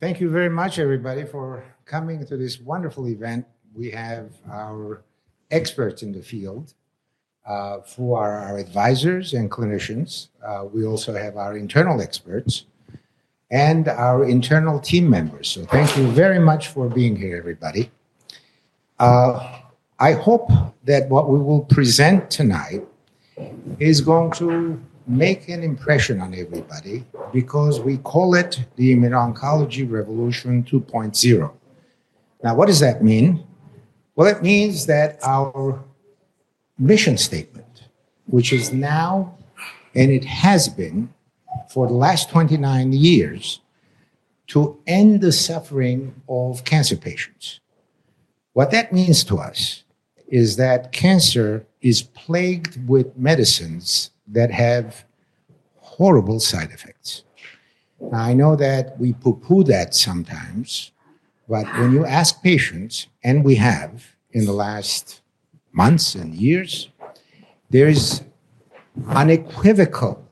Thank you very much, everybody, for coming to this wonderful event. We have our experts in the field, who are our advisors and clinicians. We also have our internal experts and our internal team members. Thank you very much for being here, everybody. I hope that what we will present tonight is going to make an impression on everybody because we call it the Immuno-Oncology Revolution 2.0. What does that mean? It means that our mission statement, which is now, and it has been for the last 29 years, is to end the suffering of cancer patients. What that means to us is that cancer is plagued with medicines that have horrible side effects. I know that we pooh-pooh that sometimes, but when you ask patients, and we have in the last months and years, there is an unequivocal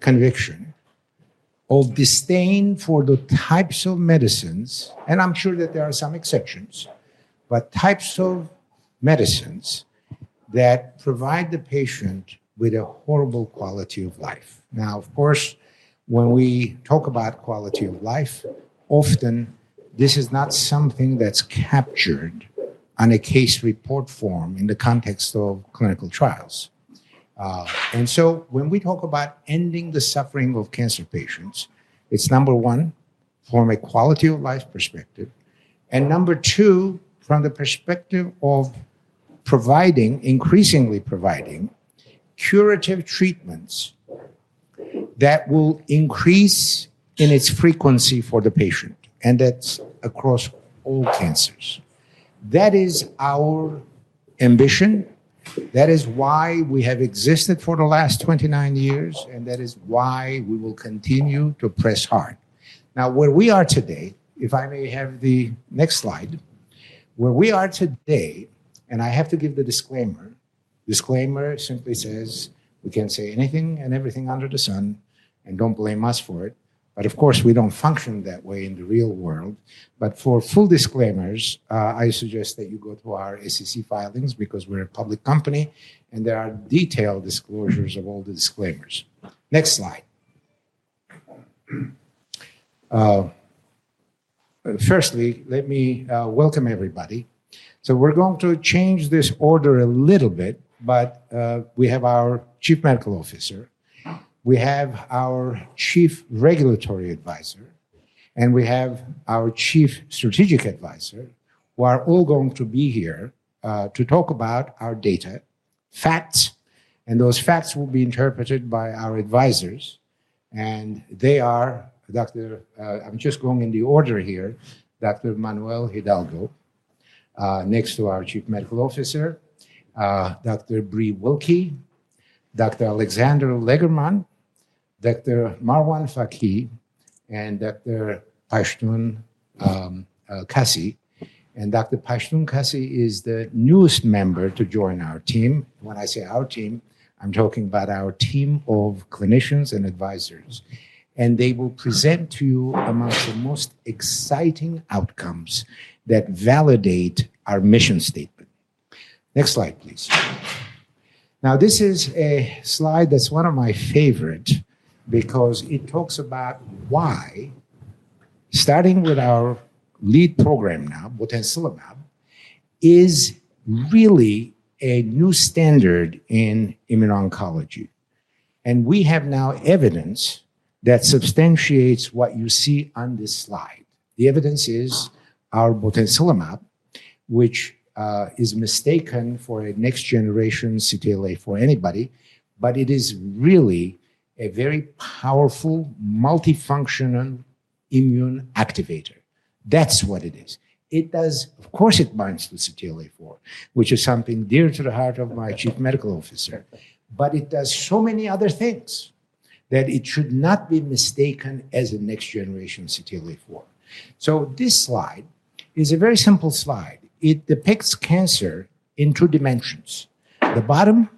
conviction of disdain for the types of medicines, and I'm sure that there are some exceptions, but types of medicines that provide the patient with a horrible quality of life. Of course, when we talk about quality of life, often, this is not something that's captured on a case report form in the context of clinical trials. When we talk about ending the suffering of cancer patients, it's number one, from a quality of life perspective, and number two, from the perspective of providing, increasingly providing, curative treatments that will increase in its frequency for the patient, and that's across all cancers. That is our ambition. That is why we have existed for the last 29 years, and that is why we will continue to press hard. Where we are today, if I may have the next slide, where we are today, and I have to give the disclaimer. The disclaimer simply says, we can say anything and everything under the sun, and don't blame us for it. Of course, we don't function that way in the real world. For full disclaimers, I suggest that you go through our SEC filings because we're a public company, and there are detailed disclosures of all the disclaimers. Next slide. Firstly, let me welcome everybody. We're going to change this order a little bit, but we have our Chief Medical Officer, we have our Chief Regulatory Advisor, and we have our Chief Strategic Advisor, who are all going to be here to talk about our data, facts, and those facts will be interpreted by our advisors. They are, Doctor, I'm just going in the order here, Dr. Manuel Hidalgo, next to our Chief Medical Officer, Dr. Bree Wilky, Dr. Alexander Eggermont, Dr. Marwan Fakih, and Dr. Pashtoon Kasi. Dr. Pashtoon Kasi is the newest member to join our team. When I say our team, I'm talking about our team of clinicians and advisors, and they will present to you amongst the most exciting outcomes that validate our mission statement. Next slide, please. This is a slide that's one of my favorites because it talks about why, starting with our lead program now, botensilimab, is really a new standard in immuno-oncology. We have now evidence that substantiates what you see on this slide. The evidence is our botensilimab, which is mistaken for a next-generation CTLA-4 antibody, but it is really a very powerful, multifunctional immune activator. That's what it is. It does, of course, bind to CTLA-4, which is something dear to the heart of my Chief Medical Officer, but it does so many other things that it should not be mistaken as a next-generation CTLA-4. This slide is a very simple slide. It depicts cancer in two dimensions. The bottom,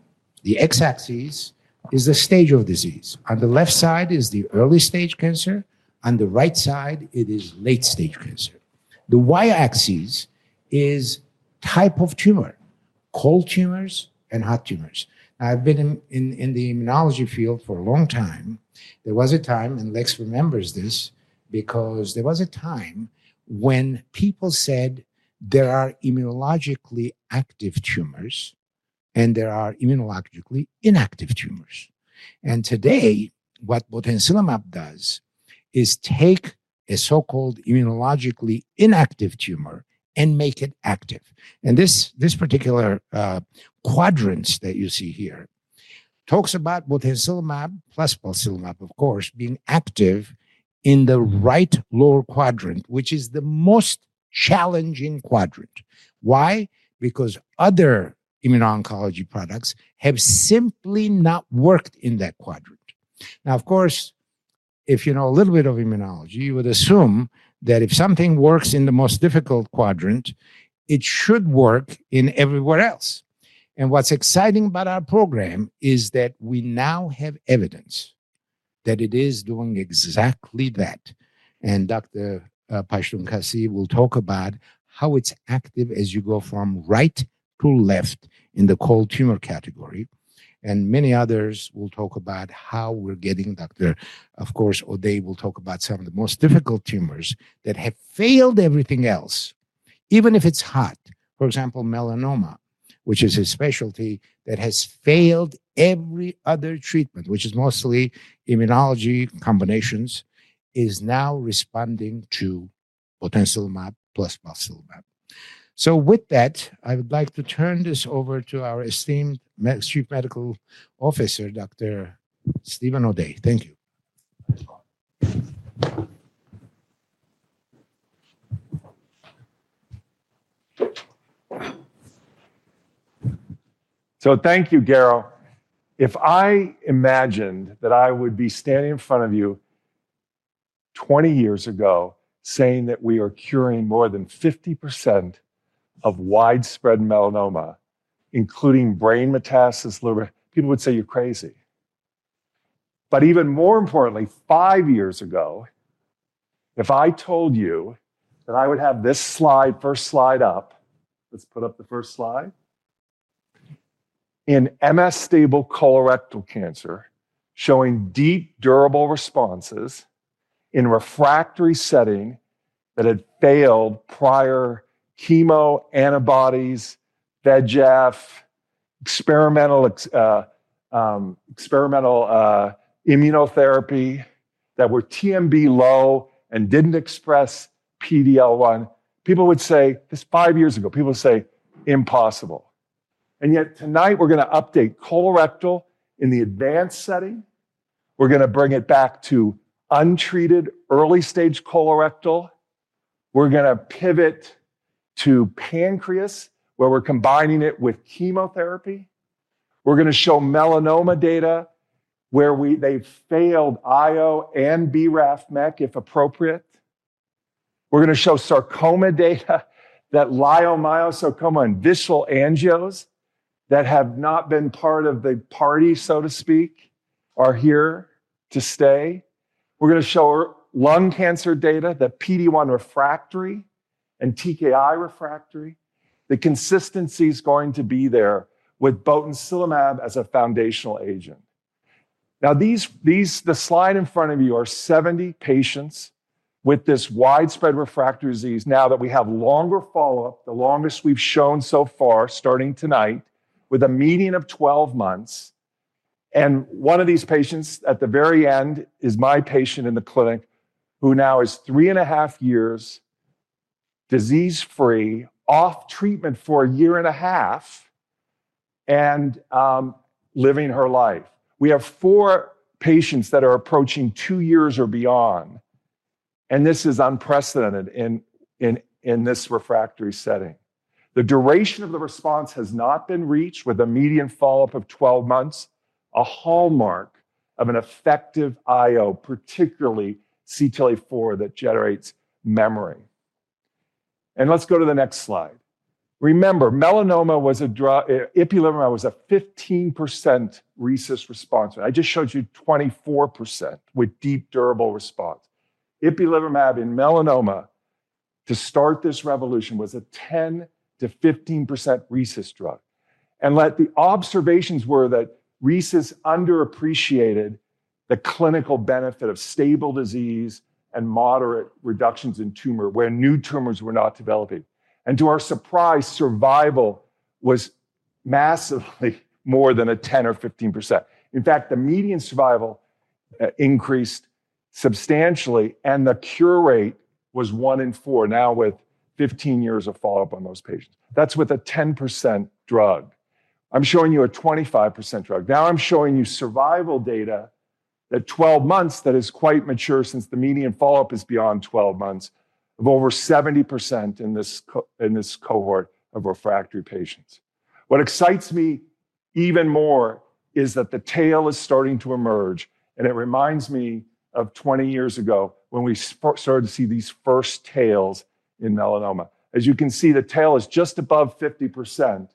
the x-axis, is the stage of disease. On the left side is the early-stage cancer. On the right side, it is late-stage cancer. The y-axis is the type of tumor, cold tumors, and hot tumors. I've been in the immunology field for a long time. There was a time, and Lex remembers this, because there was a time when people said there are immunologically active tumors and there are immunologically inactive tumors. Today, what botensilimab does is take a so-called immunologically inactive tumor and make it active. This particular quadrant that you see here talks about botensilimab plus balstilimab, of course, being active in the right lower quadrant, which is the most challenging quadrant. Why? Because other immuno-oncology products have simply not worked in that quadrant. Of course, if you know a little bit of immunology, you would assume that if something works in the most difficult quadrant, it should work everywhere else. What's exciting about our program is that we now have evidence that it is doing exactly that. Dr. Pashtoon Kasi will talk about how it's active as you go from right to left in the cold tumor category. Many others will talk about how we're getting Doctor, of course, O'Day will talk about some of the most difficult tumors that have failed everything else, even if it's hot. For example, melanoma, which is a specialty that has failed every other treatment, which is mostly immuno-oncology combinations, is now responding to botensilimab plus balstilimab. With that, I would like to turn this over to our esteemed Chief Medical Officer, Doctor Steven O’Day. Thank you. Thank you, Garo. If I imagined that I would be standing in front of you 20 years ago saying that we are curing more than 50% of widespread melanoma, including brain metastases, people would say you're crazy. Even more importantly, five years ago, if I told you that I would have this slide, first slide up, let's put up the first slide, in MS stable colorectal cancer, showing deep durable responses in refractory setting that had failed prior chemo, antibodies, VEGF, experimental immunotherapy that were TMB low and didn't express PD-L1, people would say, this is five years ago, people would say, impossible. Yet tonight, we're going to update colorectal in the advanced setting. We're going to bring it back to untreated early-stage colorectal. We're going to pivot to pancreas, where we're combining it with chemotherapy. We're going to show melanoma data, where they failed IO and BRAF + MEK if appropriate. We're going to show sarcoma data that leiomyosarcoma and visceral angios that have not been part of the party, so to speak, are here to stay. We're going to show lung cancer data that PD-1 refractory and TKI refractory, the consistency is going to be there with botensilimab as a foundational agent. Now, the slide in front of you are 70 patients with this widespread refractory disease. Now that we have longer follow-up, the longest we've shown so far, starting tonight, with a median of 12 months. One of these patients at the very end is my patient in the clinic, who now is three and a half years disease-free, off treatment for a year and a half, and living her life. We have four patients that are approaching two years or beyond. This is unprecedented in this refractory setting. The duration of the response has not been reached with a median follow-up of 12 months, a hallmark of an effective IO, particularly CTLA-4 that generates memory. Let's go to the next slide. Remember, melanoma was a, ipilimumab was a 15% RECIST response. I just showed you 24% with deep durable response. Ipilimumab in melanoma, to start this revolution, was a 10%-15% RECIST drug. The observations were that RECIST underappreciated the clinical benefit of stable disease and moderate reductions in tumor, where new tumors were not developing. To our surprise, survival was massively more than a 10% or 15%. In fact, the median survival increased substantially, and the cure rate was one in four, now with 15 years of follow-up on those patients. That's with a 10% drug. I'm showing you a 25% drug. Now I'm showing you survival data at 12 months, that is quite mature since the median follow-up is beyond 12 months, of over 70% in this cohort of refractory patients. What excites me even more is that the tail is starting to emerge, and it reminds me of 20 years ago when we started to see these first tails in melanoma. As you can see, the tail is just above 50%.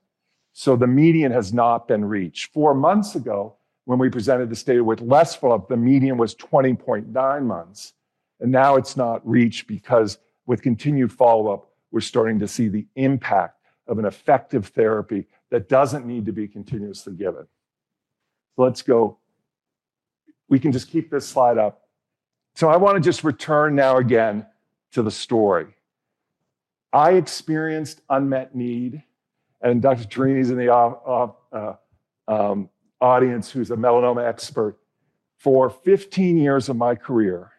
The median has not been reached. Four months ago, when we presented this data with less follow-up, the median was 20.9 months. Now it's not reached because with continued follow-up, we're starting to see the impact of an effective therapy that doesn't need to be continuously given. We can just keep this slide up. I want to just return now again to the story. I experienced unmet need, and Dr. Tirini is in the audience who's a melanoma expert, for 15 years of my career.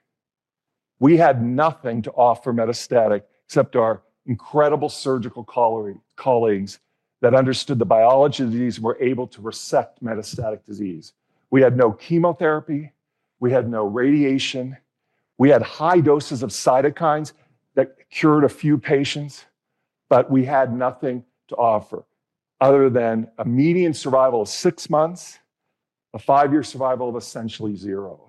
We had nothing to offer metastatic except our incredible surgical colleagues that understood the biology of the disease and were able to resect metastatic disease. We had no chemotherapy. We had no radiation. We had high doses of cytokines that cured a few patients, but we had nothing to offer other than a median survival of six months, a five-year survival of essentially zero.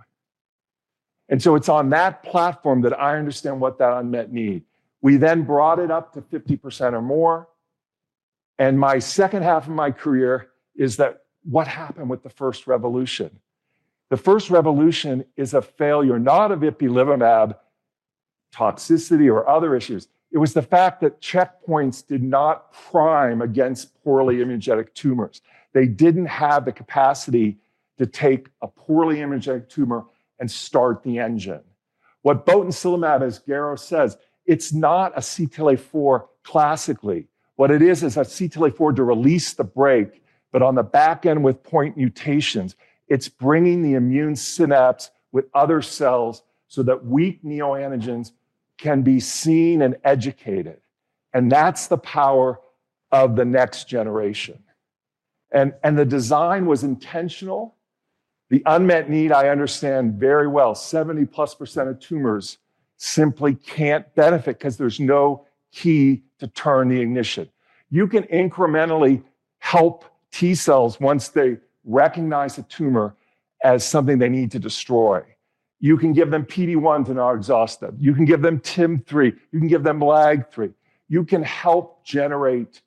It's on that platform that I understand what that unmet need is. We then brought it up to 50% or more. My second half of my career is that what happened with the first revolution? The first revolution is a failure, not of ipilimumab toxicity or other issues. It was the fact that checkpoints did not prime against poorly immunogenic tumors. They didn't have the capacity to take a poorly immunogenic tumor and start the engine. What botensilimab is, Garo says, it's not a CTLA-4 classically. What it is is a CTLA-4 to release the brake, but on the back end with point mutations, it's bringing the immune synapse with other cells so that weak neoantigens can be seen and educated. That's the power of the next generation. The design was intentional. The unmet need I understand very well. 70%+ of tumors simply can't benefit because there's no key to turn the ignition. You can incrementally help T cells once they recognize a tumor as something they need to destroy. You can give them PD-1s and are exhausted. You can give them TIM-3. You can give them LAG-3. You can help generate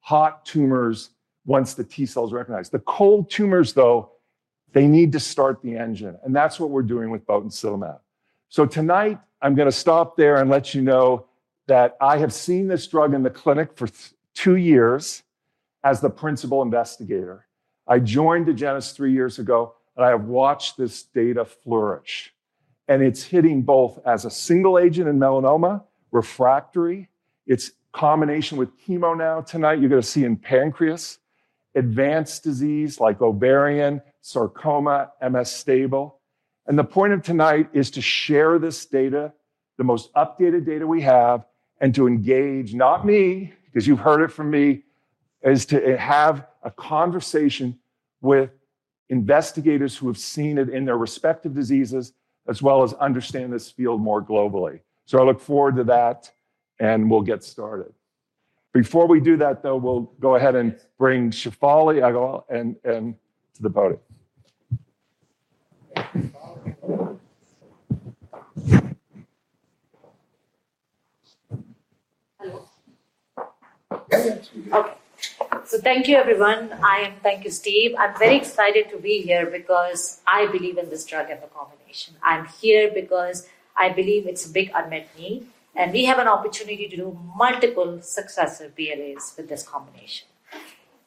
hot tumors once the T cells recognize. The cold tumors, though, they need to start the engine. That's what we're doing with botensilimab. Tonight, I'm going to stop there and let you know that I have seen this drug in the clinic for two years as the principal investigator. I joined Agenus three years ago, and I have watched this data flourish. It's hitting both as a single agent in melanoma, refractory. It's a combination with chemo now. Tonight, you're going to see in pancreas, advanced disease like ovarian, sarcoma, MS stable. The point of tonight is to share this data, the most updated data we have, and to engage, not me, because you've heard it from me, to have a conversation with investigators who have seen it in their respective diseases, as well as understand this field more globally. I look forward to that, and we'll get started. Before we do that, though, we'll go ahead and bring Shefali Agarwal to the podium. Thank you, everyone. Thank you, Steve. I'm very excited to be here because I believe in this drug as a combination. I'm here because I believe it's a big unmet need, and we have an opportunity to do multiple successive BLAs with this combination.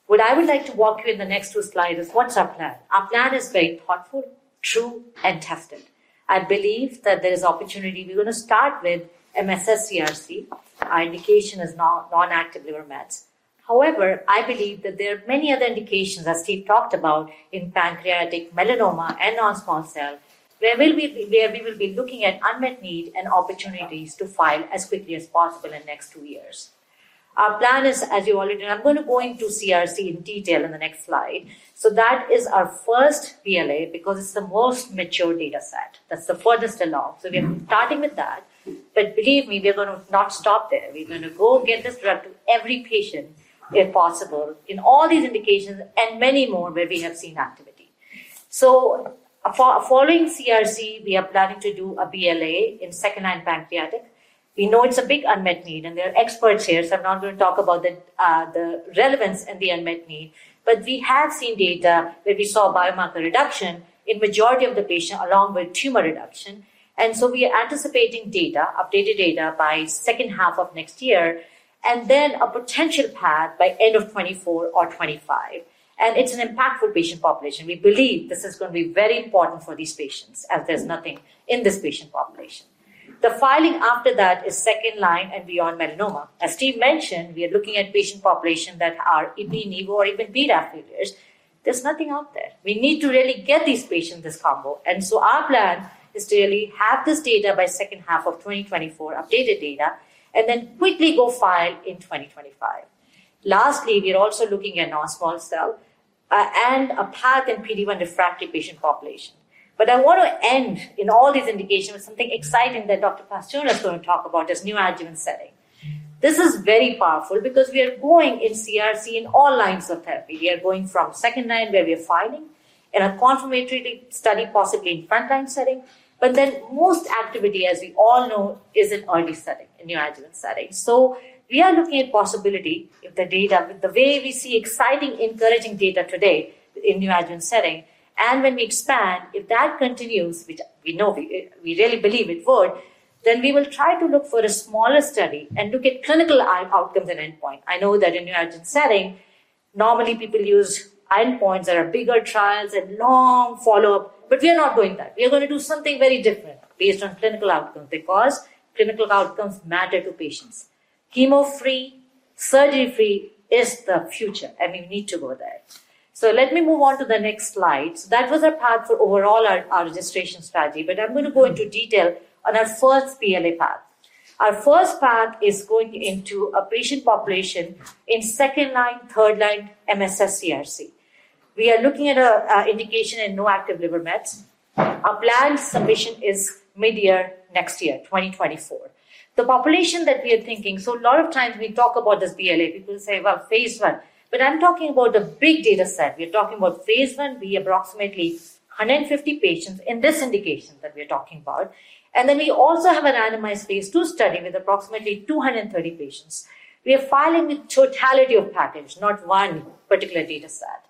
What I would like to walk you through in the next two slides is what's our plan. Our plan is very thoughtful, true, and tested. I believe that there is opportunity. We want to start with MSS CRC. Our indication is non-active liver mets. However, I believe that there are many other indications, as Steve talked about, in pancreatic, melanoma, and non-small cell, where we will be looking at unmet need and opportunities to file as quickly as possible in the next two years. Our plan is, as you already know, I'm going to go into CRC in detail in the next slide. That is our first BLA because it's the most mature data set. That's the furthest along, so we are starting with that. Believe me, we are not going to stop there. We're going to get this drug to every patient if possible in all these indications and many more where we have seen activity. Following CRC, we are planning to do a BLA in second-line pancreatic. We know it's a big unmet need, and there are experts here, so I'm not going to talk about the relevance and the unmet need. We have seen data where we saw biomarker reduction in the majority of the patients, along with tumor reduction. We are anticipating updated data by the second half of next year, and then a potential path by the end of 2024 or 2025. It's an impactful patient population. We believe this is going to be very important for these patients, as there's nothing in this patient population. The filing after that is second-line and beyond melanoma. As Steve mentioned, we are looking at patient populations that are Ipi/Nivo or even BRAF-native; there's nothing out there. We need to really get these patients this combo. Our plan is to really have this data by the second half of 2024, updated data, and then quickly go file in 2025. Lastly, we are also looking at non-small cell and a path in PD-1 refractory patient population. I want to end in all these indications with something exciting that Dr. Pashtoon Kasi is going to talk about, this neoadjuvant setting. This is very powerful because we are going in CRC in all lines of therapy. We are going from second-line where we are filing in a confirmatory study, possibly in front-line setting. Most activity, as we all know, is in early setting, in neoadjuvant setting. We are looking at the possibility if the data, with the way we see exciting, encouraging data today in the adjuvant setting, and when we expand, if that continues, which we really believe it would, we will try to look for a smaller study and look at clinical outcomes and endpoint. I know that in the adjuvant setting, normally people use endpoints that are bigger trials and long follow-up, but we are not going there. We are going to do something very different based on clinical outcomes because clinical outcomes matter to patients. Chemo free, surgery free is the future, and we need to go there. Let me move on to the next slide. That was our path for overall our registration strategy, but I'm going to go into detail on our first BLA path. Our first path is going into a patient population in second-line, third-line MSS CRC. We are looking at an indication in no active liver mets. Our plan submission is mid-year next year, 2024. The population that we are thinking, a lot of times we talk about this BLA, people say about phase I, but I'm talking about the big data set. We are talking about phase I, be approximately 150 patients in this indication that we are talking about. We also have an anonymized phase II study with approximately 230 patients. We are filing the totality of package, not one particular data set.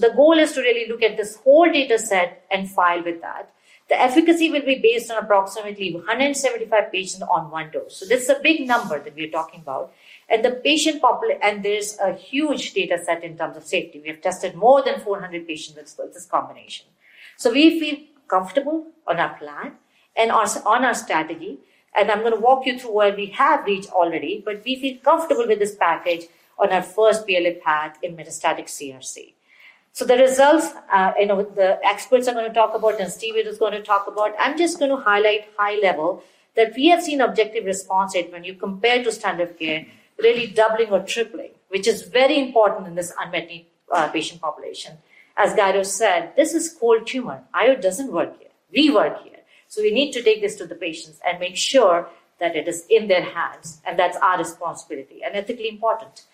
The goal is to really look at this whole data set and file with that. The efficacy will be based on approximately 175 patients on one dose. This is a big number that we are talking about. The patient population, and there's a huge data set in terms of safety. We have tested more than 400 patients with this combination. We feel comfortable on our plan and on our strategy. I'm going to walk you through where we have reached already, but we feel comfortable with this package on our first BLA path in metastatic CRC. The results, the experts are going to talk about, and Steve is going to talk about. I'm just going to highlight high level that we have seen objective response rate when you compare to standard of care, really doubling or tripling, which is very important in this unmet need patient population. As Garo said, this is cold tumor. IO doesn't work here. We work here. We need to take this to the patients and make sure that it is in their hands, and that's our responsibility and ethically important.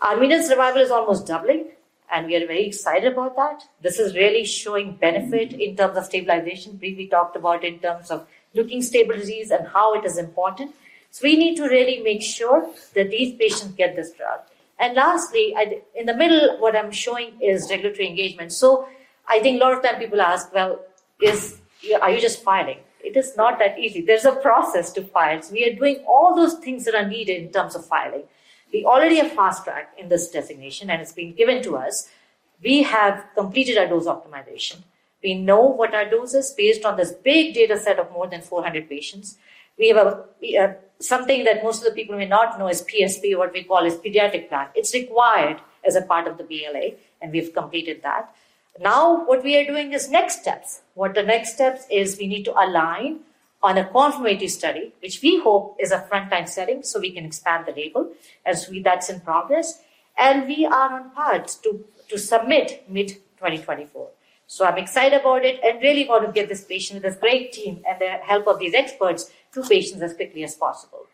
Our immunity survival is almost doubling, and we are very excited about that. This is really showing benefit in terms of stabilization. We talked about in terms of looking at stable disease and how it is important. We need to really make sure that these patients get this drug. Lastly, in the middle, what I'm showing is regulatory engagement. I think a lot of times people ask, well, are you just filing? It is not that easy. There's a process to file. We are doing all those things that are needed in terms of filing. We already have fast-track designation, and it's been given to us. We have completed our dose optimization. We know what our dose is based on this big data set of more than 400 patients. We have something that most of the people may not know is PSP, what we call a pediatric plan. It's required as a part of the BLA, and we've completed that. Now, what we are doing is next steps. What the next steps is, we need to align on a confirmatory study, which we hope is a front-line setting so we can expand the label, as that's in progress. We are on path to submit mid-2024. I'm excited about it and really want to get this patient with this great team and the help of these experts to patients as quickly as possible.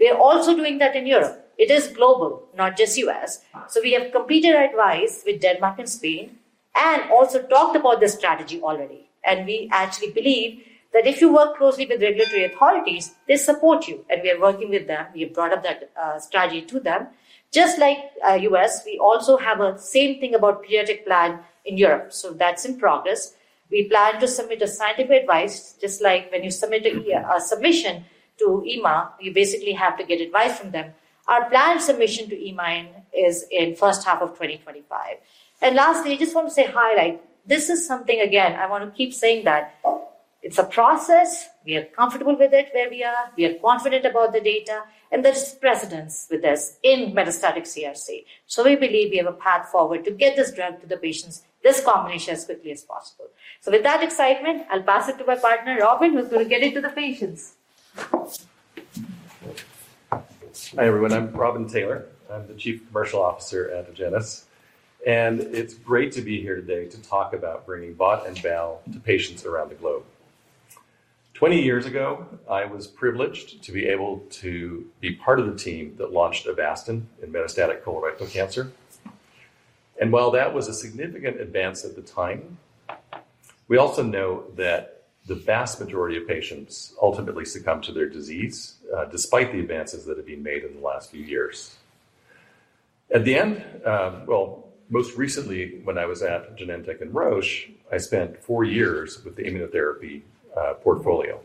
We are also doing that in Europe. It is global, not just U.S. We have completed our advice with Denmark and Spain and also talked about this strategy already. We actually believe that if you work closely with regulatory authorities, they support you. We are working with them. We've brought up that strategy to them. Just like U.S., we also have the same thing about the pediatric plan in Europe. That's in progress. We plan to submit a set of advice, just like when you submit a submission to EMA, you basically have to get advice from them. Our plan submission to EMA is in the first half of 2025. Lastly, I just want to say highlight, this is something, again, I want to keep saying that it's a process. We are comfortable with it where we are. We are confident about the data, and there's precedence with this in metastatic CRC. We believe we have a path forward to get this drug to the patients, this combination, as quickly as possible. With that excitement, I'll pass it to my partner, Robin, who's going to get into the patients. Hi, everyone. I'm Robin Taylor. I'm the Chief Commercial Officer at Agenus. It's great to be here today to talk about bringing BOT/BAL to patients around the globe. Twenty years ago, I was privileged to be able to be part of the team that launched Avastin in metastatic colorectal cancer. While that was a significant advance at the time, we also know that the vast majority of patients ultimately succumb to their disease, despite the advances that have been made in the last few years. Most recently, when I was at Genentech and Roche, I spent four years with the immunotherapy portfolio.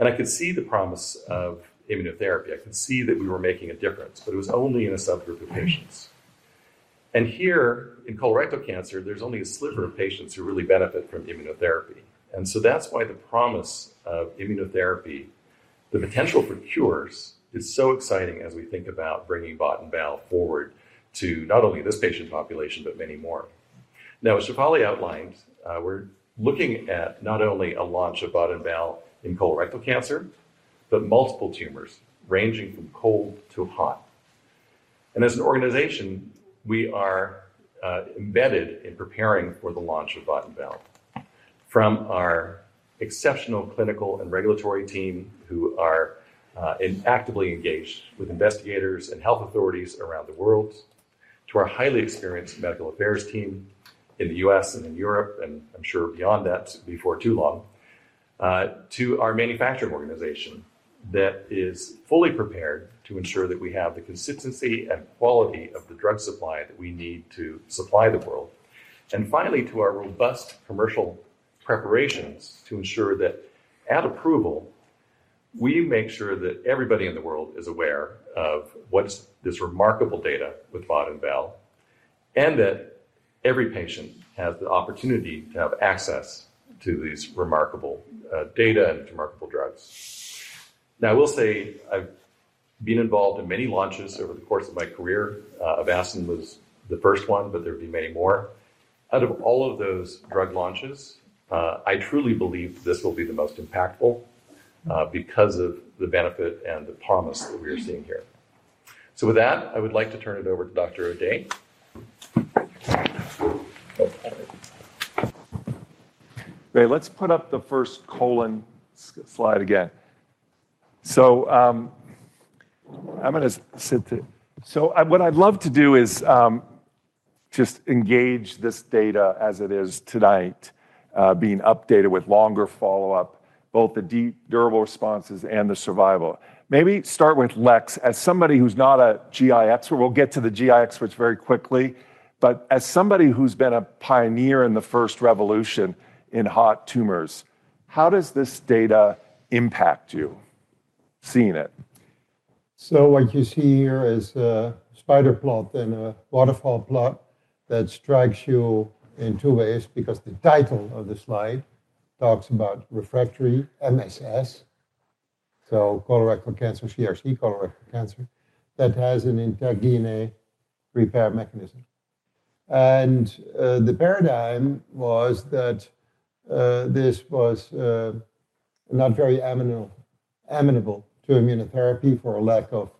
I could see the promise of immunotherapy. I could see that we were making a difference, but it was only in a subgroup of patients. Here in colorectal cancer, there's only a sliver of patients who really benefit from immunotherapy. That's why the promise of immunotherapy, the potential for cures, is so exciting as we think about bringing BOT/BAL forward to not only this patient population, but many more. Now, as Shefali outlined, we're looking at not only a launch of BOT/BAL in colorectal cancer, but multiple tumors ranging from cold to hot. As an organization, we are embedded in preparing for the launch of BOT/BAL from our exceptional clinical and regulatory team who are actively engaged with investigators and health authorities around the world, to our highly experienced medical affairs team in the U.S. and in Europe, and I'm sure beyond that before too long, to our manufacturing organization that is fully prepared to ensure that we have the consistency and quality of the drug supply that we need to supply the world. Finally, to our robust commercial preparations to ensure that at approval, we make sure that everybody in the world is aware of this remarkable data with BOT/BAL, and that every patient has the opportunity to have access to these remarkable data and remarkable drugs. I will say I've been involved in many launches over the course of my career. Avastin was the first one, but there would be many more. Out of all of those drug launches, I truly believe this will be the most impactful because of the benefit and the promise that we are seeing here. With that, I would like to turn it over to Dr. O'Day. Let's put up the first colon slide again. I'm going to sit there. What I'd love to do is just engage this data as it is tonight, being updated with longer follow-up, both the deep durable responses and the survival. Maybe start with Lex, as somebody who's not a GI expert. We'll get to the GI experts very quickly. As somebody who's been a pioneer in the first revolution in hot tumors, how does this data impact you, seeing it? What you see here is a spider plot and a waterfall plot that strikes you in two ways because the title of the slide talks about refractory MSS, so colorectal cancer, CRC colorectal cancer, that has an intact DNA repair mechanism. The paradigm was that this was not very amenable to immunotherapy for a lack of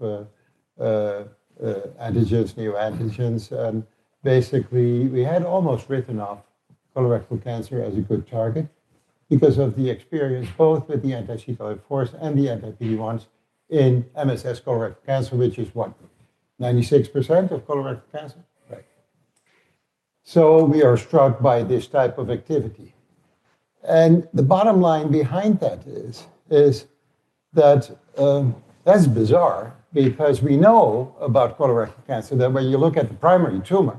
antigens, neoantigens. Basically, we had almost written off colorectal cancer as a good target because of the experience both with the anti-CTLA-4s and the anti-PD-1s in MSS colorectal cancer, which is what? 96% of colorectal cancer? Right. We are struck by this type of activity. The bottom line behind that is that that's bizarre because we know about colorectal cancer that when you look at the primary tumor,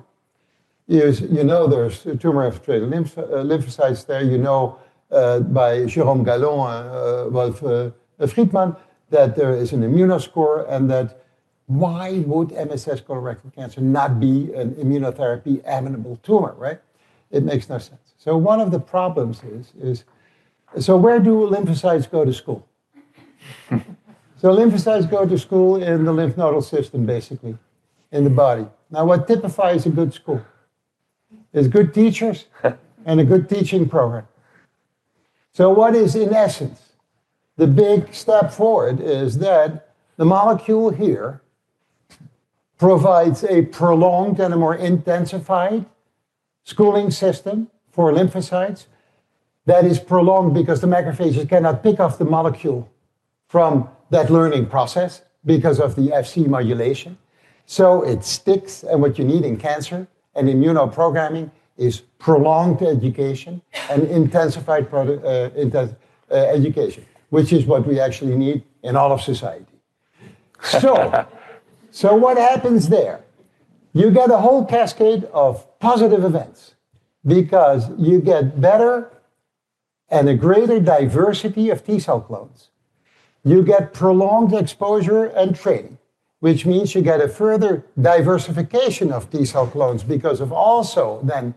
you know there's tumor infiltrating lymphocytes there. You know by Jérôme Galon, Wolfe Friedman, that there is an immunoscore and that why would MSS colorectal cancer not be an immunotherapy amenable tumor, right? It makes no sense. One of the problems is, where do lymphocytes go to school? Lymphocytes go to school in the lymph nodal system, basically, in the body. What typifies a good school is good teachers and a good teaching program. In essence, the big step forward is that the molecule here provides a prolonged and a more intensified schooling system for lymphocytes that is prolonged because the macrophages cannot pick up the molecule from that learning process because of the FC modulation. It sticks. What you need in cancer and immunoprogramming is prolonged education and intensified education, which is what we actually need in all of society. What happens there is you get a whole cascade of positive events because you get better and a greater diversity of T cell clones. You get prolonged exposure and training, which means you get a further diversification of T cell clones because of also then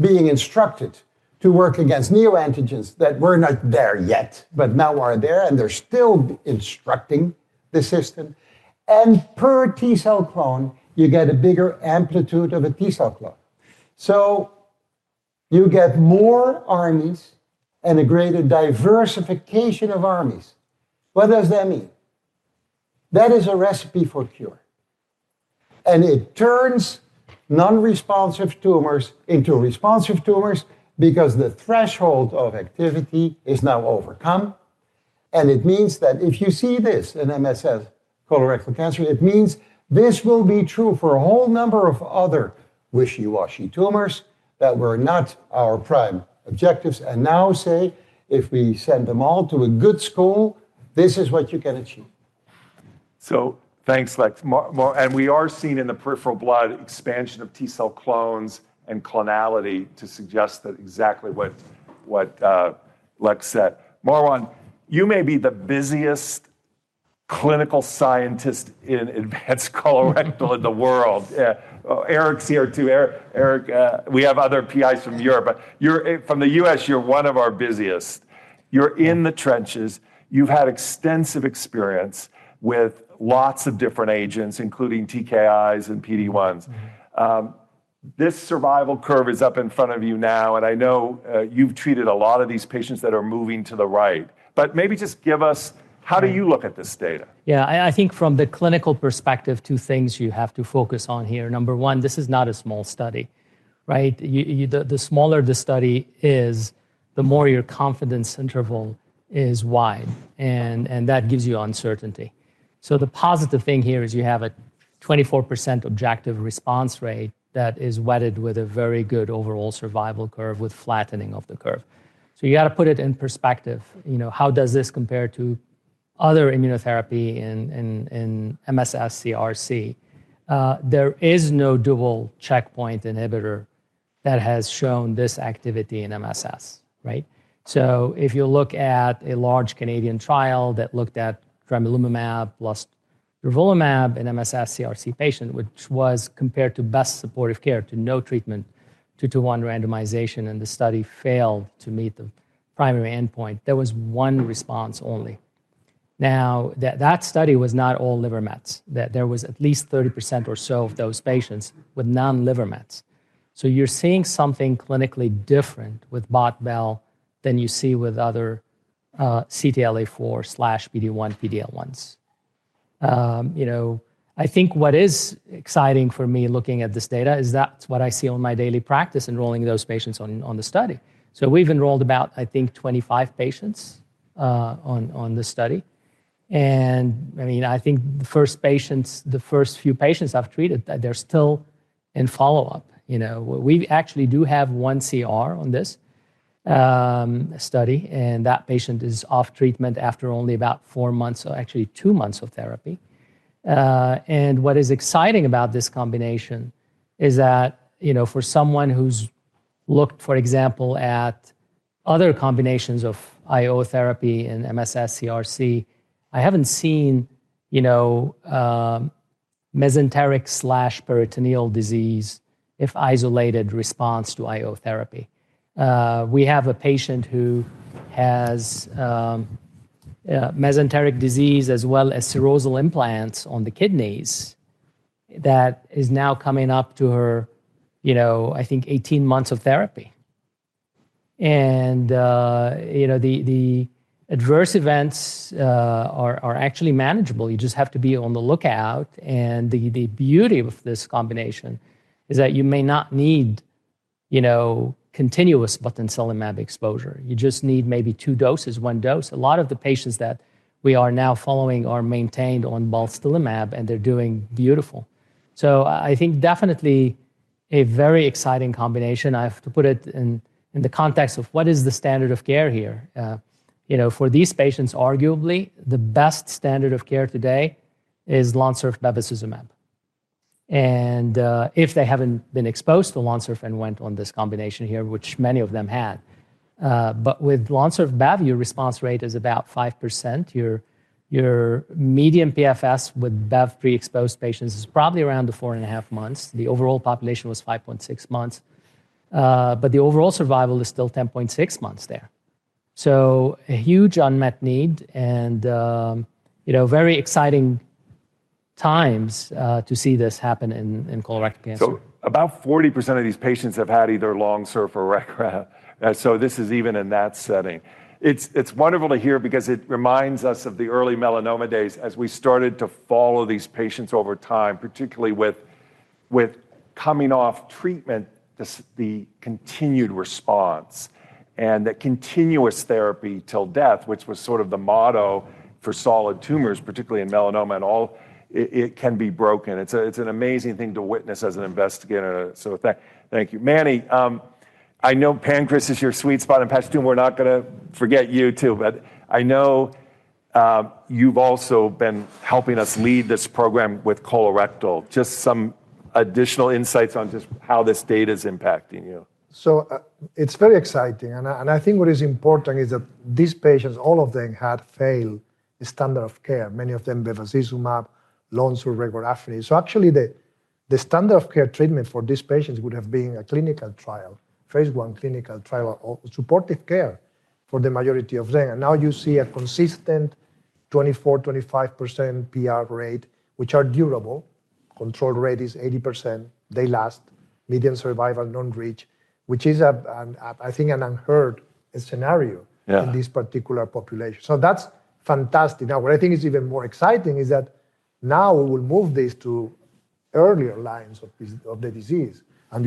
being instructed to work against neoantigens that were not there yet, but now are there, and they're still instructing the system. Per T cell clone, you get a bigger amplitude of a T cell clone. You get more armies and a greater diversification of armies. What does that mean? That is a recipe for cure. It turns non-responsive tumors into responsive tumors because the threshold of activity is now overcome. If you see this in MSS colorectal cancer, it means this will be true for a whole number of other wishy-washy tumors that were not our prime objectives. If we send them all to a good school, this is what you can achieve. Thanks, Lex. We are seeing in the peripheral blood expansion of T cell clones and clonality to suggest that exactly what Lex said. Marwan, you may be the busiest clinical scientist in advanced colorectal in the world. Eric's here too. Eric, we have other PIs from Europe. You're from the U.S. You're one of our busiest. You're in the trenches. You've had extensive experience with lots of different agents, including TKIs and PD-1s. This survival curve is up in front of you now. I know you've treated a lot of these patients that are moving to the right. Maybe just give us, how do you look at this data? Yeah, I think from the clinical perspective, two things you have to focus on here. Number one, this is not a small study, right? The smaller the study is, the more your confidence interval is wide. That gives you uncertainty. The positive thing here is you have a 24% objective response rate that is wedded with a very good overall survival curve with flattening of the curve. You have to put it in perspective. You know, how does this compare to other immunotherapy in MSS CRC? There is no double checkpoint inhibitor that has shown this activity in MSS, right? If you look at a large Canadian trial that looked at tremelimumab plus durvalumab in MSS CRC patients, which was compared to best supportive care, to no treatment, two-to-one randomization, the study failed to meet the primary endpoint, there was one response only. That study was not all liver mets. There was at least 30% or so of those patients with non-liver mets. You're seeing something clinically different with botensilimab/balstilimab than you see with other CTLA-4/PD-1, PD-L1s. I think what is exciting for me looking at this data is that's what I see in my daily practice enrolling those patients on the study. We've enrolled about, I think, 25 patients on this study. I think the first patients, the first few patients I've treated, they're still in follow-up. We actually do have one CR on this study, and that patient is off treatment after only about four months, actually two months of therapy. What is exciting about this combination is that, for someone who's looked, for example, at other combinations of IO therapy in MSS CRC, I haven't seen mesenteric/peritoneal disease if isolated response to IO therapy. We have a patient who has mesenteric disease as well as serosal implants on the kidneys that is now coming up to her, I think, 18 months of therapy. The adverse events are actually manageable. You just have to be on the lookout. The beauty of this combination is that you may not need continuous botensilimab exposure. You just need maybe two doses, one dose. A lot of the patients that we are now following are maintained on balstilimab, and they're doing beautiful. I think definitely a very exciting combination. I have to put it in the context of what is the standard of care here. For these patients, arguably the best standard of care today is LONSURF/bevacizumab. If they haven't been exposed to LONSURF and went on this combination here, which many of them had, with LONSURF/bev, your response rate is about 5%. Your median PFS with bev pre-exposed patients is probably around 4.5 months. The overall population was 5.6 months. The overall survival is still 10.6 months there. A huge unmet need and, you know, very exciting times to see this happen in colorectal cancer. About 40% of these patients have had either LONSURF or [regora]. This is even in that setting. It's wonderful to hear because it reminds us of the early melanoma days as we started to follow these patients over time, particularly with coming off treatment, the continued response, and the continuous therapy till death, which was sort of the motto for solid tumors, particularly in melanoma. All it can be broken. It's an amazing thing to witness as an investigator. Thank you. Manny, I know Pancreas is your sweet spot. Pashtoon, we're not going to forget you too. I know you've also been helping us lead this program with colorectal. Just some additional insights on just how this data is impacting you. It's very exciting. I think what is important is that these patients, all of them had failed the standard of care, many of them bevacizumab, LONSURF, regorafenib. Actually, the standard of care treatment for these patients would have been a clinical trial, phase I clinical trial, or supportive care for the majority of them. You see a consistent 24%, 25% PR rate, which are durable. Control rate is 80%. They last. Median survival non-breach, which is, I think, an unheard scenario in this particular population. That's fantastic. What I think is even more exciting is that now we will move this to earlier lines of the disease.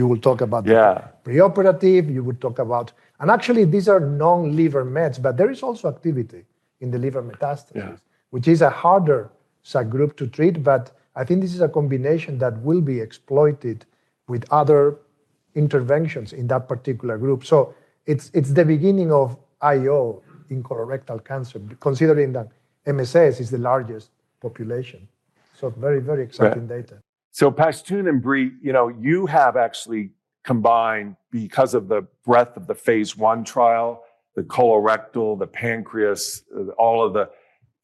You will talk about the preoperative. You will talk about, and actually, these are non-liver mets, but there is also activity in the liver metastases, which is a harder subgroup to treat. I think this is a combination that will be exploited with other interventions in that particular group. It's the beginning of IO in colorectal cancer, considering that MSS is the largest population. Very, very exciting data. Pashtoon and Bree, you have actually combined, because of the breadth of the phase I trial, the colorectal, the pancreas, all of the,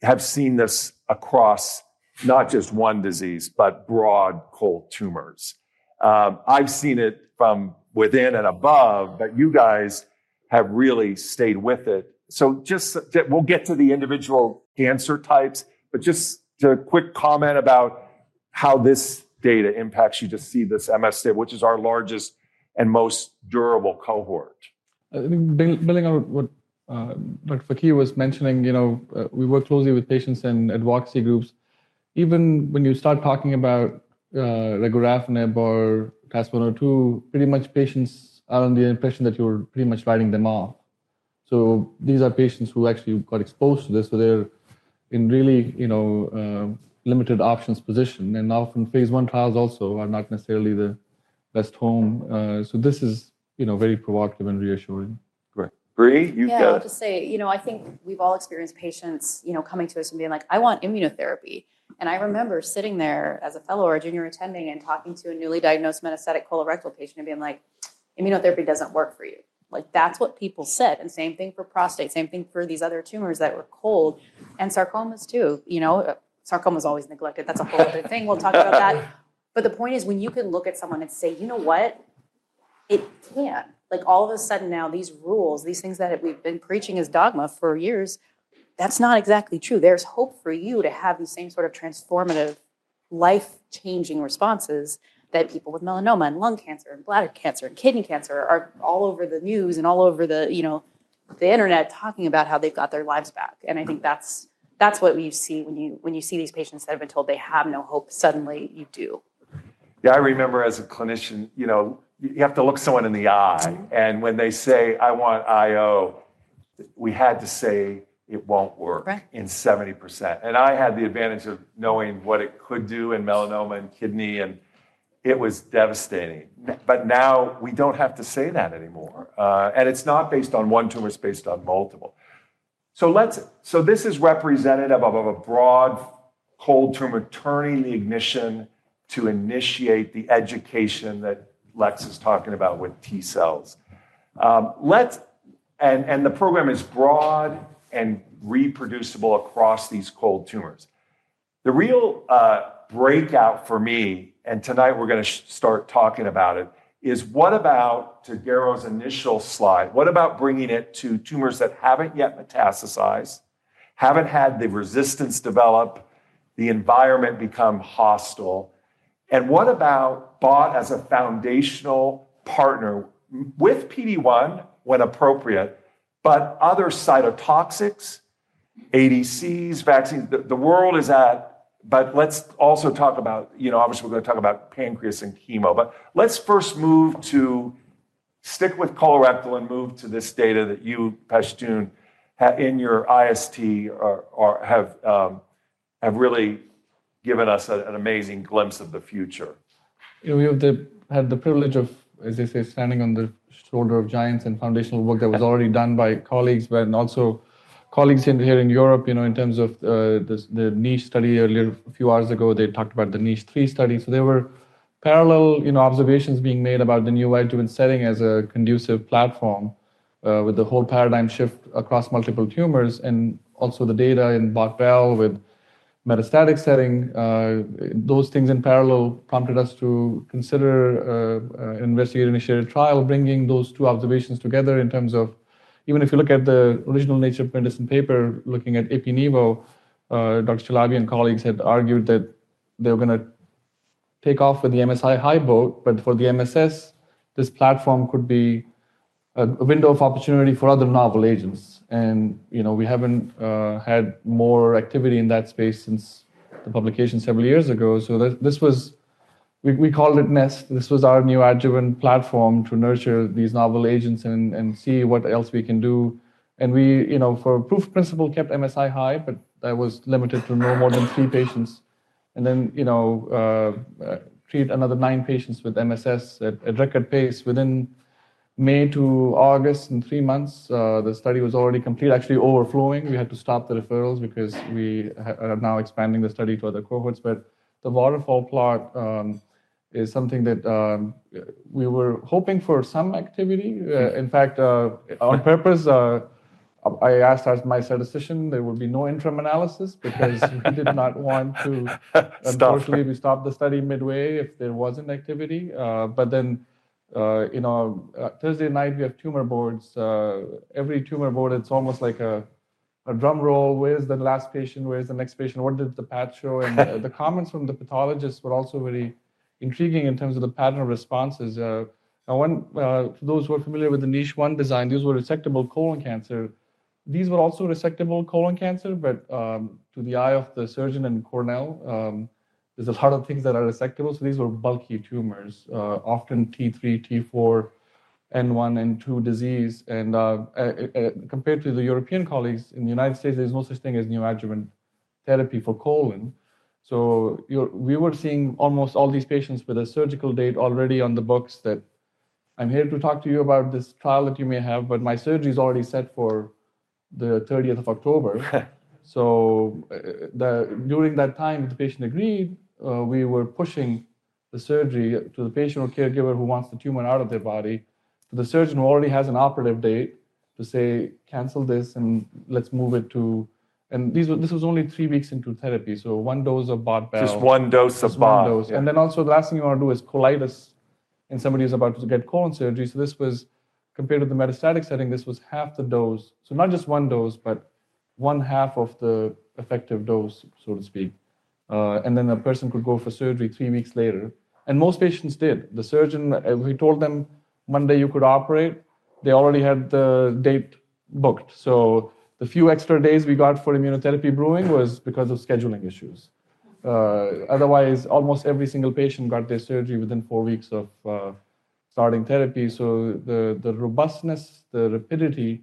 have seen this across not just one disease, but broad cold tumors. I've seen it from within and above, but you guys have really stayed with it. We'll get to the individual cancer types, but just a quick comment about how this data impacts you to see this MSS, which is our largest and most durable cohort. I think building on what Dr. Fakih was mentioning, you know, we work closely with patients and ad hoc groups. Even when you start talking about regorafenib or TAS-102, pretty much patients are under the impression that you're pretty much writing them off. These are patients who actually got exposed to this, so they're in really, you know, limited options position. Now, phase I trials also are not necessarily the best home. This is, you know, very provocative and reassuring. Bree, you said. I think we've all experienced patients coming to us and being like, I want immunotherapy. I remember sitting there as a fellow or a junior attending and talking to a newly diagnosed metastatic colorectal patient and being like, immunotherapy doesn't work for you. That's what people said. Same thing for prostate, same thing for these other tumors that were cold. Sarcomas too, you know, sarcoma is always neglected. That's a whole other thing. We'll talk about that. The point is when you can look at someone and say, you know what? It can. All of a sudden now these rules, these things that we've been preaching as dogma for years, that's not exactly true. There's hope for you to have the same sort of transformative, life-changing responses that people with melanoma and lung cancer and bladder cancer and kidney cancer are all over the news and all over the internet talking about how they've got their lives back. I think that's what you see when you see these patients that have been told they have no hope. Suddenly, you do. Yeah, I remember as a clinician, you have to look someone in the eye. When they say, I want IO, we had to say it won't work in 70%. I had the advantage of knowing what it could do in melanoma and kidney, and it was devastating. Now we don't have to say that anymore. It's not based on one tumor. It's based on multiple. This is representative of a broad cold tumor turning the ignition to initiate the education that Lex is talking about with T cells. The program is broad and reproducible across these cold tumors. The real breakout for me, and tonight we're going to start talking about it, is what about, to Garo's initial slide, bringing it to tumors that haven't yet metastasized, haven't had the resistance develop, the environment become hostile? What about BOT as a foundational partner with PD-1 when appropriate, but other cytotoxics, ADCs, vaccines, the world is at? Let's also talk about, obviously we're going to talk about pancreas and chemo. Let's first move to stick with colorectal and move to this data that you, Pashtoon, in your IST, have really given us an amazing glimpse of the future. You know, we have had the privilege of, as they say, standing on the shoulder of giants and foundational work that was already done by colleagues, but also colleagues here in Europe, in terms of the NICHE study earlier, a few hours ago, they talked about the NICHE-3 study. There were parallel observations being made about the neoadjuvant setting as a conducive platform with the whole paradigm shift across multiple tumors. Also, the data in BOT/BAL with metastatic setting, those things in parallel prompted us to consider an investigator-initiated trial, bringing those two observations together in terms of, even if you look at the original Nature of Medicine paper, looking at APNEVO, Dr. Chalabi and colleagues had argued that they were going to take off with the MSI high boat, but for the MSS, this platform could be a window of opportunity for other novel agents. We haven't had more activity in that space since the publication several years ago. This was, we called it NEST. This was our neoadjuvant platform to nurture these novel agents and see what else we can do. For proof principle, kept MSI high, but that was limited to no more than three patients. Then, treat another nine patients with MSS at record pace within May to August in three months. The study was already complete, actually overflowing. We had to stop the referrals because we are now expanding the study to other cohorts. The waterfall plot is something that we were hoping for some activity. In fact, on purpose, I asked as my statistician, there will be no interim analysis because he did not want to undoubtedly stop the study midway if there wasn't activity. Thursday night, we have tumor boards. Every tumor board, it's almost like a drum roll. Where's the last patient? Where's the next patient? What did the path show? The comments from the pathologists were also very intriguing in terms of the pattern of responses. Now, for those who are familiar with the NICHE-1 design, these were resectable colon cancer. These were also resectable colon cancer, but to the eye of the surgeon and Cornell, there's a lot of things that are resectable. These were bulky tumors, often T3, T4, N1, N2 disease. Compared to the European colleagues in the United States, there's no such thing as neoadjuvant therapy for colon. We were seeing almost all these patients with a surgical date already on the books. I'm here to talk to you about this trial that you may have, but my surgery is already set for the 30th of October. During that time, if the patient agreed, we were pushing the surgery to the patient or caregiver who wants the tumor out of their body, the surgeon who already has an operative date to say, cancel this and let's move it to. This was only three weeks into therapy, so one dose of botensilimab/balstilimab. Just one dose of botensilimab. The last thing you want to do is colitis in somebody who's about to get colon surgery. This was compared to the metastatic setting; this was half the dose. Not just one dose, but one half of the effective dose, so to speak. A person could go for surgery three weeks later, and most patients did. The surgeon told them one day you could operate. They already had the date booked. The few extra days we got for immunotherapy brewing was because of scheduling issues. Otherwise, almost every single patient got their surgery within four weeks of starting therapy. The robustness, the rapidity,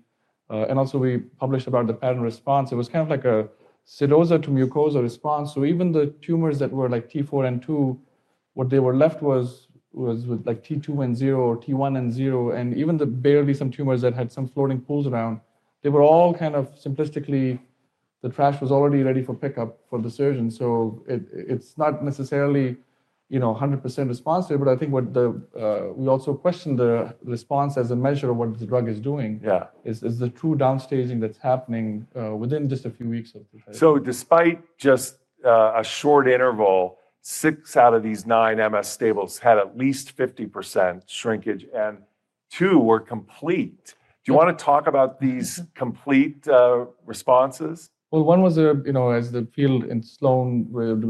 and also we published about the pattern response. It was kind of like a cirrhosa to mucosa response. Even the tumors that were like T4 and T2, what they were left with was like T2 and N0 or T1 and N0. Even the barely some tumors that had some floating pools around, they were all kind of simplistically, the trash was already ready for pickup for the surgeon. It's not necessarily 100% responsive, but I think what we also questioned, the response as a measure of what the drug is doing is the true downstaging that's happening within just a few weeks. Despite just a short interval, six out of these nine MS stables had at least 50% shrinkage, and two were complete. Do you want to talk about these complete responses? As the field in Sloan with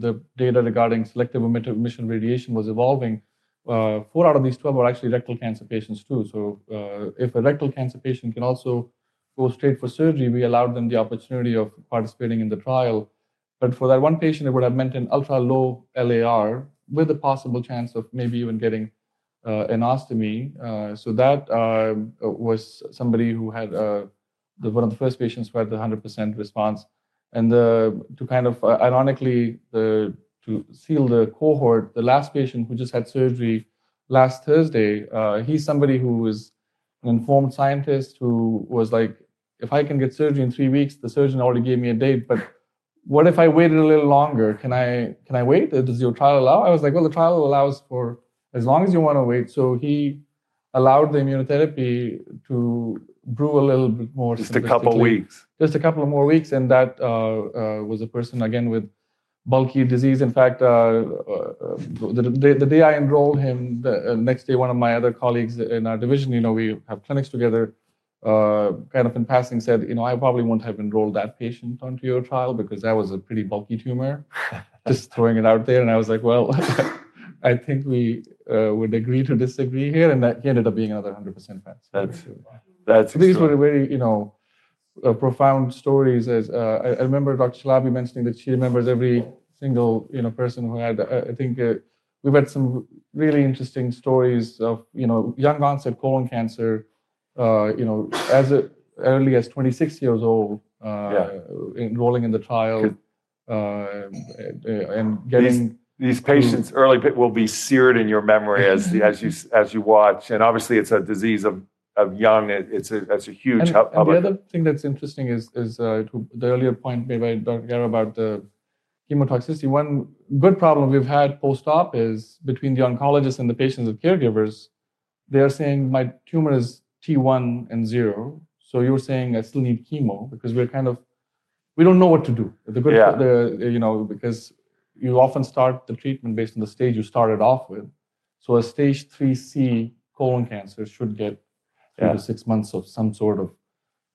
the data regarding selective emission radiation was evolving, four out of these 12 were actually rectal cancer patients too. If a rectal cancer patient can also go straight for surgery, we allowed them the opportunity of participating in the trial. For that one patient, it would have meant an ultra low LAR with a possible chance of maybe even getting an ostomy. That was somebody who had one of the first patients who had the 100% response. To kind of ironically seal the cohort, the last patient who just had surgery last Thursday is somebody who is an informed scientist who was like, if I can get surgery in three weeks, the surgeon already gave me a date. What if I waited a little longer? Can I wait? Does your trial allow? I was like, the trial allows for as long as you want to wait. He allowed the immunotherapy to brew a little bit more. Just a couple of weeks. Just a couple of more weeks. That was a person, again, with bulky disease. In fact, the day I enrolled him, the next day, one of my other colleagues in our division, you know, we have clinics together, kind of in passing said, you know, I probably won't have enrolled that patient onto your trial because that was a pretty bulky tumor. Just throwing it out there. I was like, I think we would agree to disagree here. He ended up being another 100%. That's true. These were very profound stories. I remember Dr. Chalabi mentioning that she remembers every single person who had, I think we've had some really interesting stories of young onset colon cancer, as early as 26 years old, enrolling in the trial and getting. These patients early will be seared in your memory as you watch. Obviously, it's a disease of young. It's a huge help. The other thing that's interesting is the earlier point made by Dr. Garo about the chemotoxicity. One good problem we've had post-op is between the oncologists and the patients and caregivers. They are saying, my tumor is T1 and N0. You're saying I still need chemo because we're kind of, we don't know what to do. You know, because you often start the treatment based on the stage you started off with. A stage 3C colon cancer should get three to six months of some sort of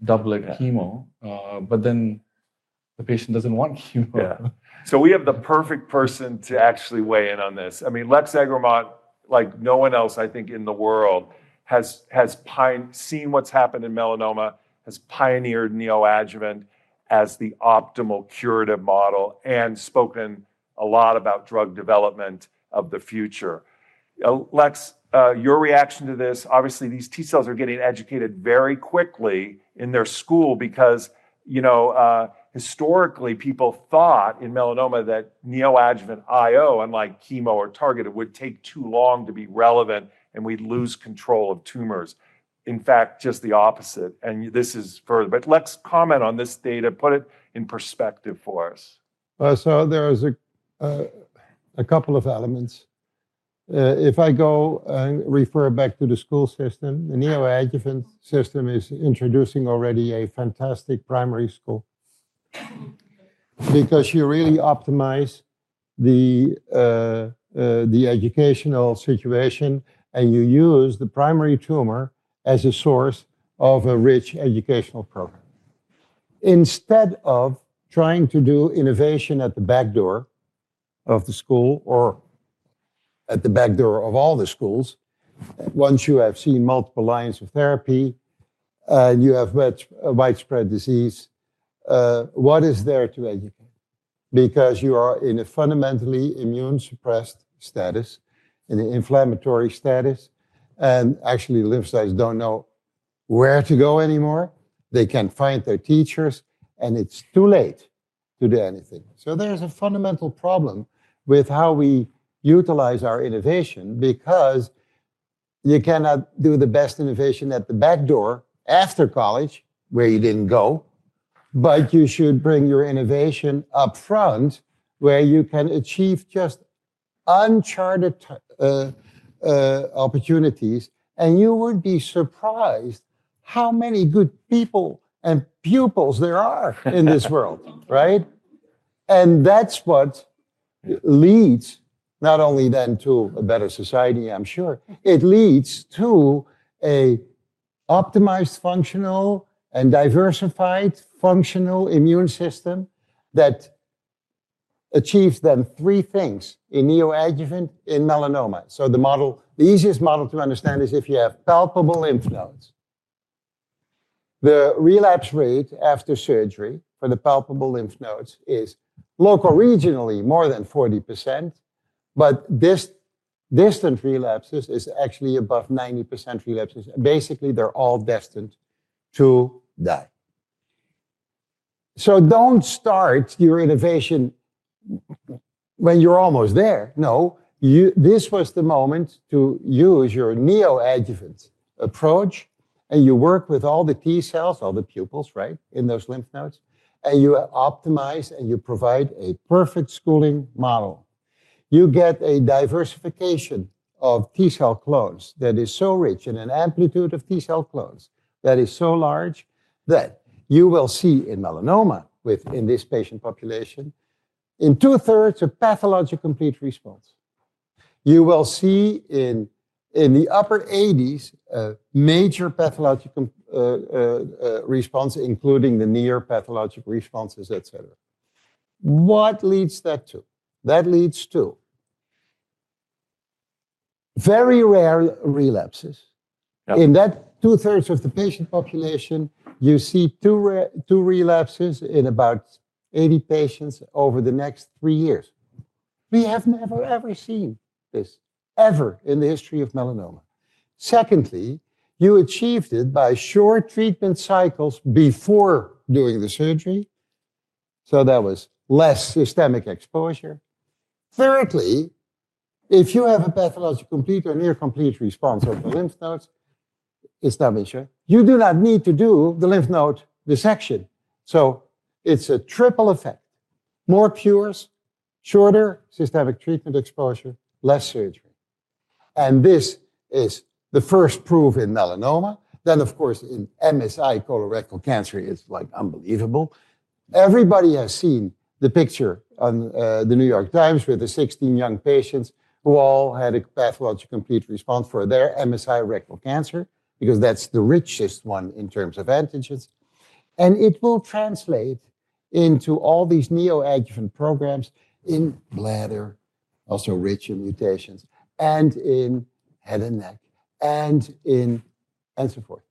doublet chemo. The patient doesn't want chemo. We have the perfect person to actually weigh in on this. I mean, Dr. Eggermont, like no one else, I think, in the world has seen what's happened in melanoma, has pioneered neoadjuvant as the optimal curative model, and spoken a lot about drug development of the future. Lex, your reaction to this, obviously, these T cells are getting educated very quickly in their school because, you know, historically, people thought in melanoma that neoadjuvant IO, unlike chemo or targeted, would take too long to be relevant and we'd lose control of tumors. In fact, just the opposite. This is further. Lex, comment on this data, put it in perspective for us. There are a couple of elements. If I go and refer back to the school system, the neoadjuvant system is introducing already a fantastic primary school because you really optimize the educational situation and you use the primary tumor as a source of a rich educational program. Instead of trying to do innovation at the back door of the school or at the back door of all the schools, once you have seen multiple lines of therapy and you have widespread disease, what is there to educate? You are in a fundamentally immune-suppressed status, in an inflammatory status, and actually, lymph cells don't know where to go anymore. They can't find their teachers, and it's too late to do anything. There is a fundamental problem with how we utilize our innovation because you cannot do the best innovation at the back door after college, where you didn't go, but you should bring your innovation up front where you can achieve just uncharted opportunities. You would be surprised how many good people and pupils there are in this world, right? That leads not only then to a better society, I'm sure, it leads to an optimized functional and diversified functional immune system that achieves then three things in neoadjuvant in melanoma. The model, the easiest model to understand is if you have palpable lymph nodes. The relapse rate after surgery for the palpable lymph nodes is local regionally more than 40%, but distant relapses is actually above 90% relapses. Basically, they're all destined to die. Do not start your innovation when you're almost there. This was the moment to use your neoadjuvant approach and you work with all the T cells, all the pupils, right, in those lymph nodes, and you optimize and you provide a perfect schooling model. You get a diversification of T-cell clones that is so rich and an amplitude of T-cell clones that is so large that you will see in melanoma within this patient population in two-thirds of pathologic complete response. You will see in the upper 80s a major pathologic response, including the near pathologic responses, etc. What leads that to? That leads to very rare relapses. In that two-thirds of the patient population, you see two relapses in about 80 patients over the next three years. We have never ever seen this ever in the history of melanoma. Secondly, you achieved it by short treatment cycles before doing the surgery. That was less systemic exposure. Thirdly, if you have a pathologic complete or near complete response of the lymph nodes, you do not need to do the lymph node dissection. It's a triple effect: more cures, shorter systemic treatment exposure, less surgery. This is the first proof in melanoma. In MSI colorectal cancer, it is unbelievable. Everybody has seen the picture in The New York Times with the 16 young patients who all had a pathologic complete response for their MSI rectal cancer because that's the richest one in terms of antigens. It will translate into all these neoadjuvant programs in bladder, also rich in mutations, and in head and neck, and so forth.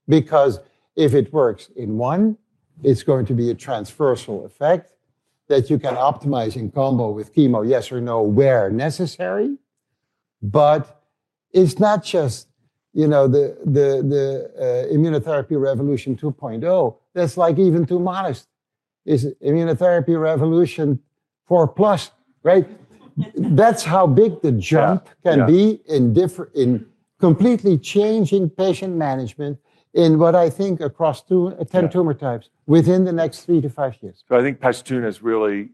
If it works in one, it's going to be a transversal effect that you can optimize in combo with chemo, yes or no, where necessary. It's not just the immunotherapy revolution 2.0; that's even too modest. It's immunotherapy revolution 4+, right? That's how big the jump can be in completely changing patient management in what I think across two tumor types within the next three to five years. I think Dr. Pashtoon has really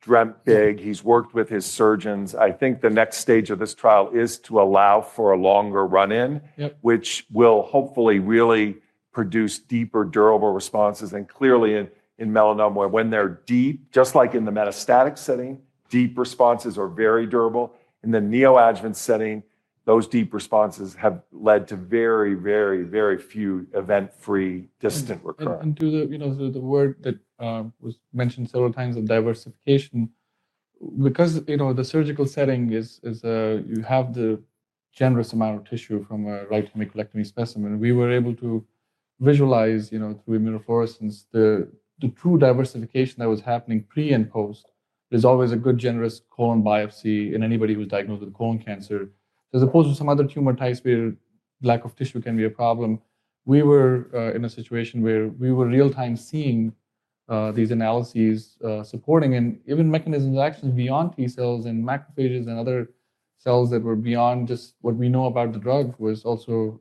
dreamt big. He's worked with his surgeons. I think the next stage of this trial is to allow for a longer run-in, which will hopefully really produce deeper durable responses. Clearly, in melanoma, when they're deep, just like in the metastatic setting, deep responses are very durable. In the neoadjuvant setting, those deep responses have led to very, very, very few event-free distant recurrence. To the word that was mentioned several times, diversification, because the surgical setting is you have the generous amount of tissue from a right hemicolectomy specimen. We were able to visualize, through immunofluorescence, the true diversification that was happening pre and post. There's always a good generous colon biopsy in anybody who's diagnosed with colon cancer. As opposed to some other tumor types where lack of tissue can be a problem, we were in a situation where we were real-time seeing these analyses supporting and even mechanisms of action beyond T cells and macrophages and other cells that were beyond just what we know about the drug was also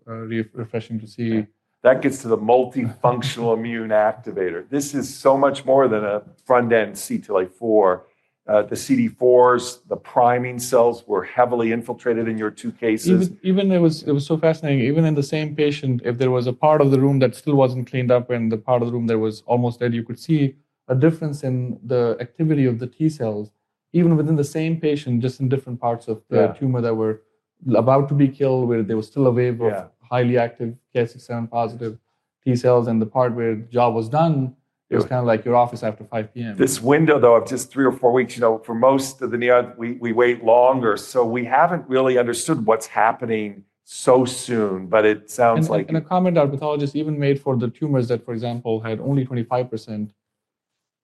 refreshing to see. That gets to the multifunctional immune activator. This is so much more than a front-end CTLA-4. The CD4s, the priming cells, were heavily infiltrated in your two cases. It was so fascinating. Even in the same patient, if there was a part of the room that still wasn't cleaned up and the part of the room that was almost dead, you could see a difference in the activity of the T cells, even within the same patient, just in different parts of the tumor that were about to be killed, where there was still a wave of highly active Ki67 positive T cells. In the part where the job was done, it was kind of like your office after 5:00 P.M. This window, though, of just three or four weeks, for most of the neo, we wait longer. We haven't really understood what's happening so soon, but it sounds like. A comment our pathologist even made for the tumors that, for example, had only 25%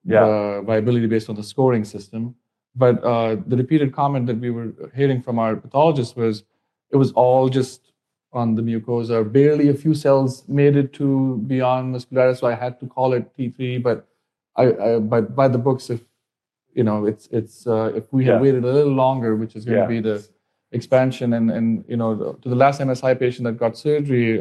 viability based on the scoring system. The repeated comment that we were hearing from our pathologist was it was all just on the mucosa. Barely a few cells made it to beyond the submucosa, so I had to call it P3. By the books, if we had waited a little longer, which is going to be the expansion, and to the last MSI patient that got surgery,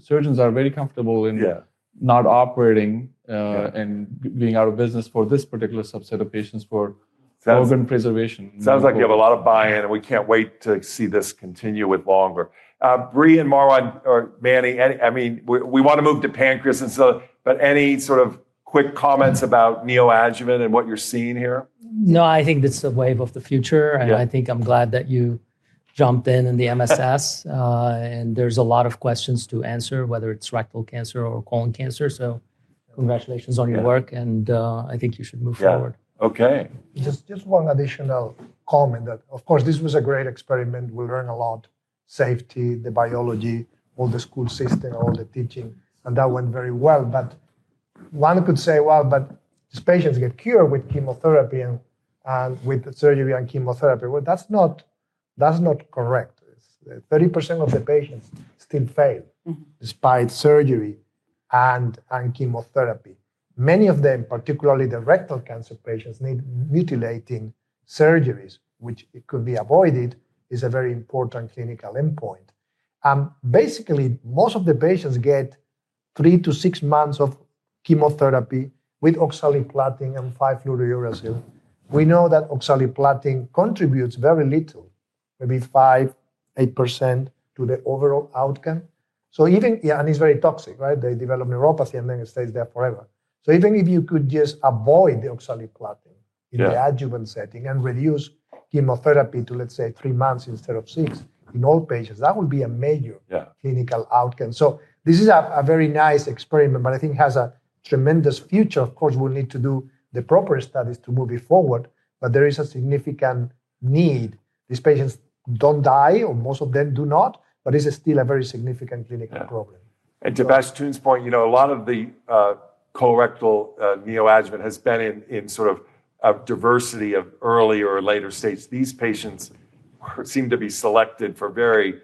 surgeons are very comfortable in not operating and being out of business for this particular subset of patients for organ preservation. Sounds like you have a lot of buy-in, and we can't wait to see this continue with longer. Bree and Marwan or Manny, I mean, we want to move to pancreas, but any sort of quick comments about neoadjuvant and what you're seeing here? No, I think this is a wave of the future. I think I'm glad that you jumped in in the MSS. There's a lot of questions to answer, whether it's rectal cancer or colon cancer. Congratulations on your work. I think you should move forward. Yeah, OK. Just one additional comment that, of course, this was a great experiment. We learned a lot, safety, the biology, all the school system, all the teaching. That went very well. One could say, well, these patients get cured with chemotherapy and with surgery and chemotherapy. That's not correct. 30% of the patients still fail despite surgery and chemotherapy. Many of them, particularly the rectal cancer patients, need mutilating surgeries, which could be avoided. It's a very important clinical endpoint. Basically, most of the patients get three to six months of chemotherapy with oxaliplatin and 5-fluorouracil. We know that oxaliplatin contributes very little, maybe 5%, 8% to the overall outcome. It's very toxic, right? They develop neuropathy and then it stays there forever. Even if you could just avoid the oxaliplatin in the adjuvant setting and reduce chemotherapy to, let's say, three months instead of six in all patients, that would be a major clinical outcome. This is a very nice experiment. I think it has a tremendous future. Of course, we'll need to do the proper studies to move it forward. There is a significant need. These patients don't die, or most of them do not, but this is still a very significant clinical problem. To Pashtoon's point, you know, a lot of the colorectal neoadjuvant has been in sort of a diversity of earlier or later stages. These patients seem to be selected for very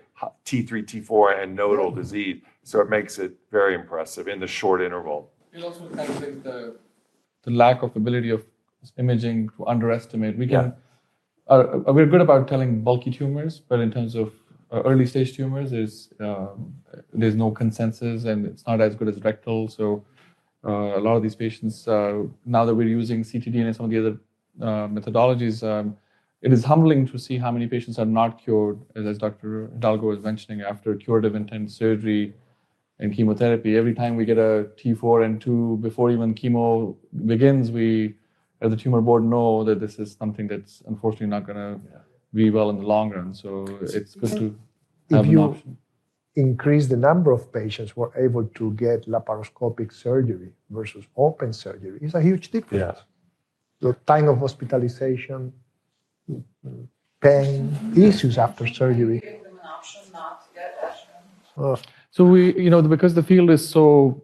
T3, T4, and nodal disease, which makes it very impressive in the short interval. It also has the lack of ability of imaging to underestimate. We're good about telling bulky tumors, but in terms of early-stage tumors, there's no consensus, and it's not as good as rectal. A lot of these patients, now that we're using CTD and some of the other methodologies, it is humbling to see how many patients are not cured, as Dr. Hidalgo was mentioning, after curative intent surgery and chemotherapy. Every time we get a T4 and T2 before even chemo begins, we, as the tumor board, know that this is something that's unfortunately not going to be well in the long run. It's good to have an option. Increase the number of patients who are able to get laparoscopic surgery versus open surgery is a huge difference. The time of hospitalization, pain, issues after surgery. We, you know, because the field is so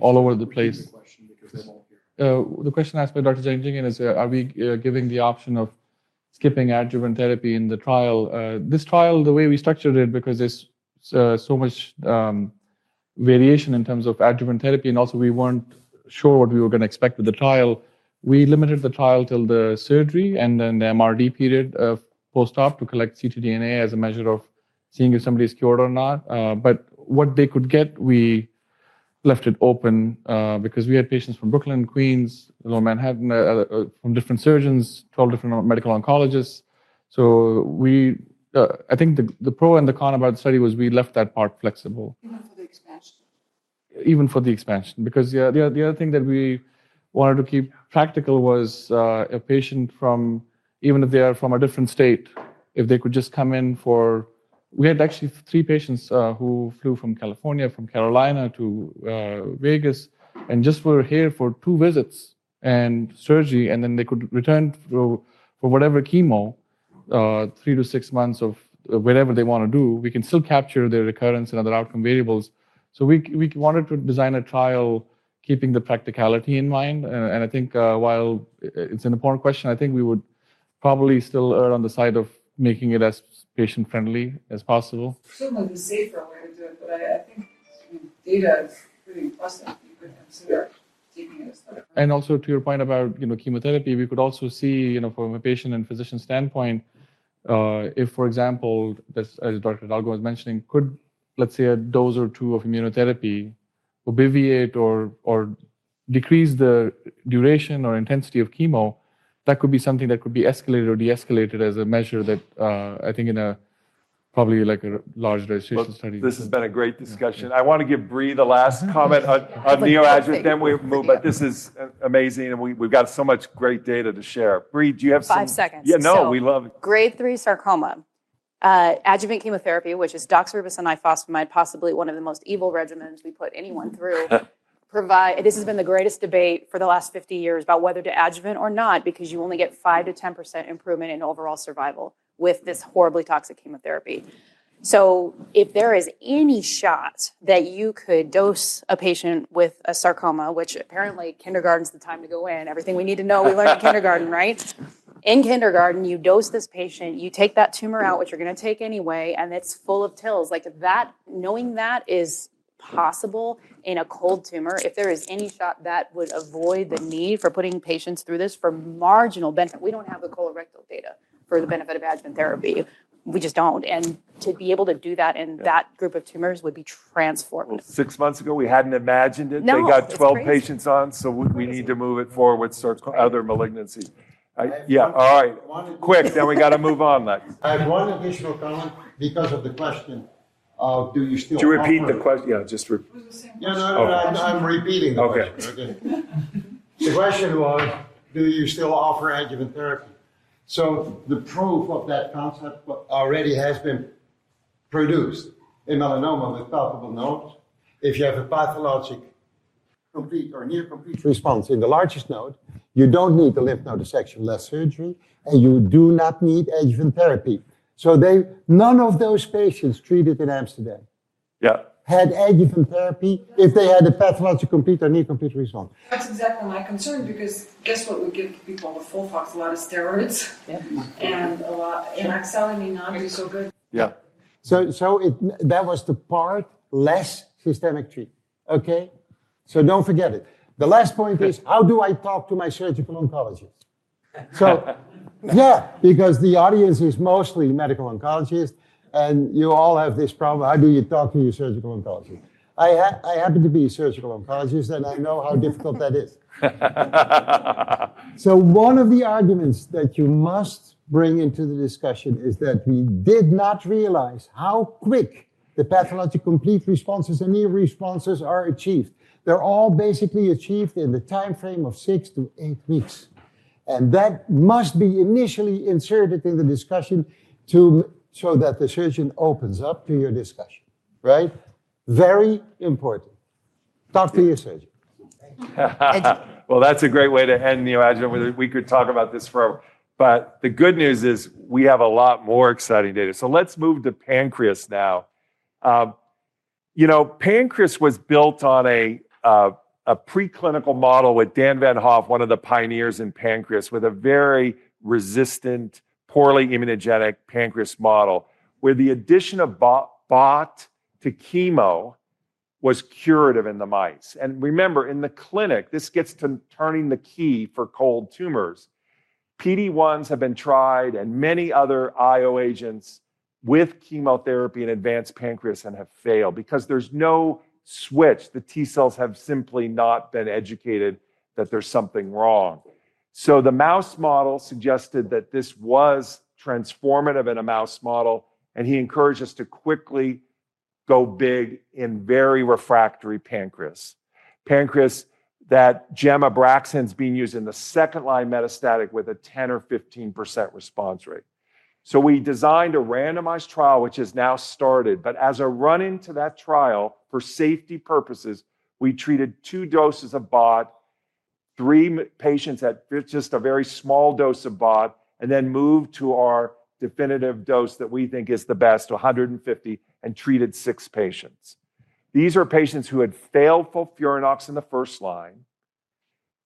all over the place, the question asked by Dr. Jing is, are we giving the option of skipping adjuvant therapy in the trial? This trial, the way we structured it, because there's so much variation in terms of adjuvant therapy, and also we weren't sure what we were going to expect with the trial, we limited the trial till the surgery and then the MRD period of post-op to collect ctDNA as a measure of seeing if somebody's cured or not. What they could get, we left it open because we had patients from Brooklyn, Queens, Manhattan, from different surgeons, 12 different medical oncologists. I think the pro and the con about the study was we left that part flexible. The expansion. Even for the expansion, because the other thing that we wanted to keep practical was a patient from, even if they are from a different state, if they could just come in for, we had actually three patients who flew from California, from Carolina to Vegas, and just were here for two visits and surgery, and then they could return for whatever chemo, three to six months of whatever they want to do. We can still capture their recurrence and other outcome variables. We wanted to design a trial keeping the practicality in mind. I think while it's an important question, we would probably still err on the side of making it as patient-friendly as possible. Also, to your point about chemotherapy, we could also see, you know, from a patient and physician standpoint, if, for example, as Dr. Hidalgo was mentioning, could, let's say, a dose or two of immunotherapy obliterate or decrease the duration or intensity of chemo, that could be something that could be escalated or de-escalated as a measure that I think in a probably like a large registration study. This has been a great discussion. I want to give Bree the last comment on neoadjuvant. We will move. This is amazing, and we've got so much great data to share. Bree, do you have some. Five seconds. Yeah, no, we love it. Grade 3 sarcoma, adjuvant chemotherapy, which is doxorubicin and ifosfamide, possibly one of the most evil regimens we put anyone through. This has been the greatest debate for the last 50 years about whether to adjuvant or not because you only get 5%-10% improvement in overall survival with this horribly toxic chemotherapy. If there is any shot that you could dose a patient with a sarcoma, which apparently kindergarten's the time to go in, everything we need to know, we learned in kindergarten, right? In kindergarten, you dose this patient, you take that tumor out, which you're going to take anyway, and it's full of pills. Like that, knowing that is possible in a cold tumor, if there is any shot that would avoid the need for putting patients through this for marginal benefit. We don't have the colorectal data for the benefit of adjuvant therapy. We just don't. To be able to do that in that group of tumors would be transformative. Six months ago, we hadn't imagined it. They got 12 patients on, so we need to move it forward with other malignancies. All right. Quick, then we got to move on. I've wondered if it's profound because of the question. Do you still. To repeat the question. Yeah, I'm repeating the question. OK. The question was, do you still offer adjuvant therapy? The proof of that concept already has been produced. In melanoma, with palpable nodes, if you have a pathologic complete or near complete response in the largest node, you don't need the lymph node dissection, less surgery, and you do not need adjuvant therapy. None of those patients treated in Amsterdam had adjuvant therapy if they had a pathologic complete or near complete response. That's exactly my concern because guess what? We give people with FOLFOX a lot of steroids. Yeah, and oxaliplatin is not so good. Yeah. That was the part, less systemic treatment. OK? Don't forget it. The last point is, how do I talk to my Surgical Oncologist? Yeah, because the audience is mostly Medical Oncologists, and you all have this problem. How do you talk to your Surgical Oncologist? I happen to be a Surgical Oncologist, and I know how difficult that is. One of the arguments that you must bring into the discussion is that we did not realize how quick the pathologic complete responses and near responses are achieved. They're all basically achieved in the time frame of six to eight weeks. That must be initially inserted in the discussion to show that the surgeon opens up to your discussion, right? Very important. Talk to your surgeon. That's a great way to end neoadjuvant. We could talk about this forever. The good news is we have a lot more exciting data. Let's move to pancreas now. You know, pancreas was built on a preclinical model with Dan Van Hoff, one of the pioneers in pancreas, with a very resistant, poorly immunogenic pancreas model, where the addition of BOT to chemo was curative in the mice. Remember, in the clinic, this gets to turning the key for cold tumors. PD-1s have been tried and many other IO agents with chemotherapy in advanced pancreas have failed because there's no switch. The T cells have simply not been educated that there's something wrong. The mouse model suggested that this was transformative in a mouse model, and he encouraged us to quickly go big in very refractory pancreas, pancreas that Gemma Braxton's been using the second-line metastatic with a 10% or 15% response rate. We designed a randomized trial, which has now started. As a run-in to that trial, for safety purposes, we treated two doses of BOT, three patients at just a very small dose of BOT, and then moved to our definitive dose that we think is the best, 150, and treated six patients. These are patients who had failed FOLFIRINOX in the first line.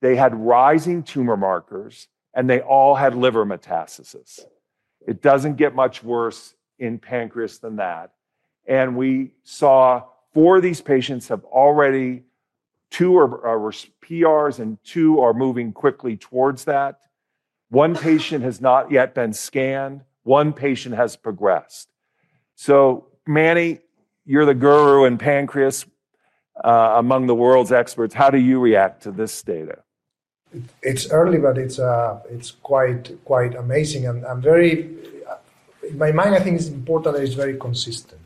They had rising tumor markers, and they all had liver metastasis. It doesn't get much worse in pancreas than that. We saw four of these patients have already two are PRs, and two are moving quickly towards that. One patient has not yet been scanned. One patient has progressed. Manny, you're the guru in pancreas among the world's experts. How do you react to this data? It's early, but it's quite amazing. I'm very, in my mind, I think it's important that it's very consistent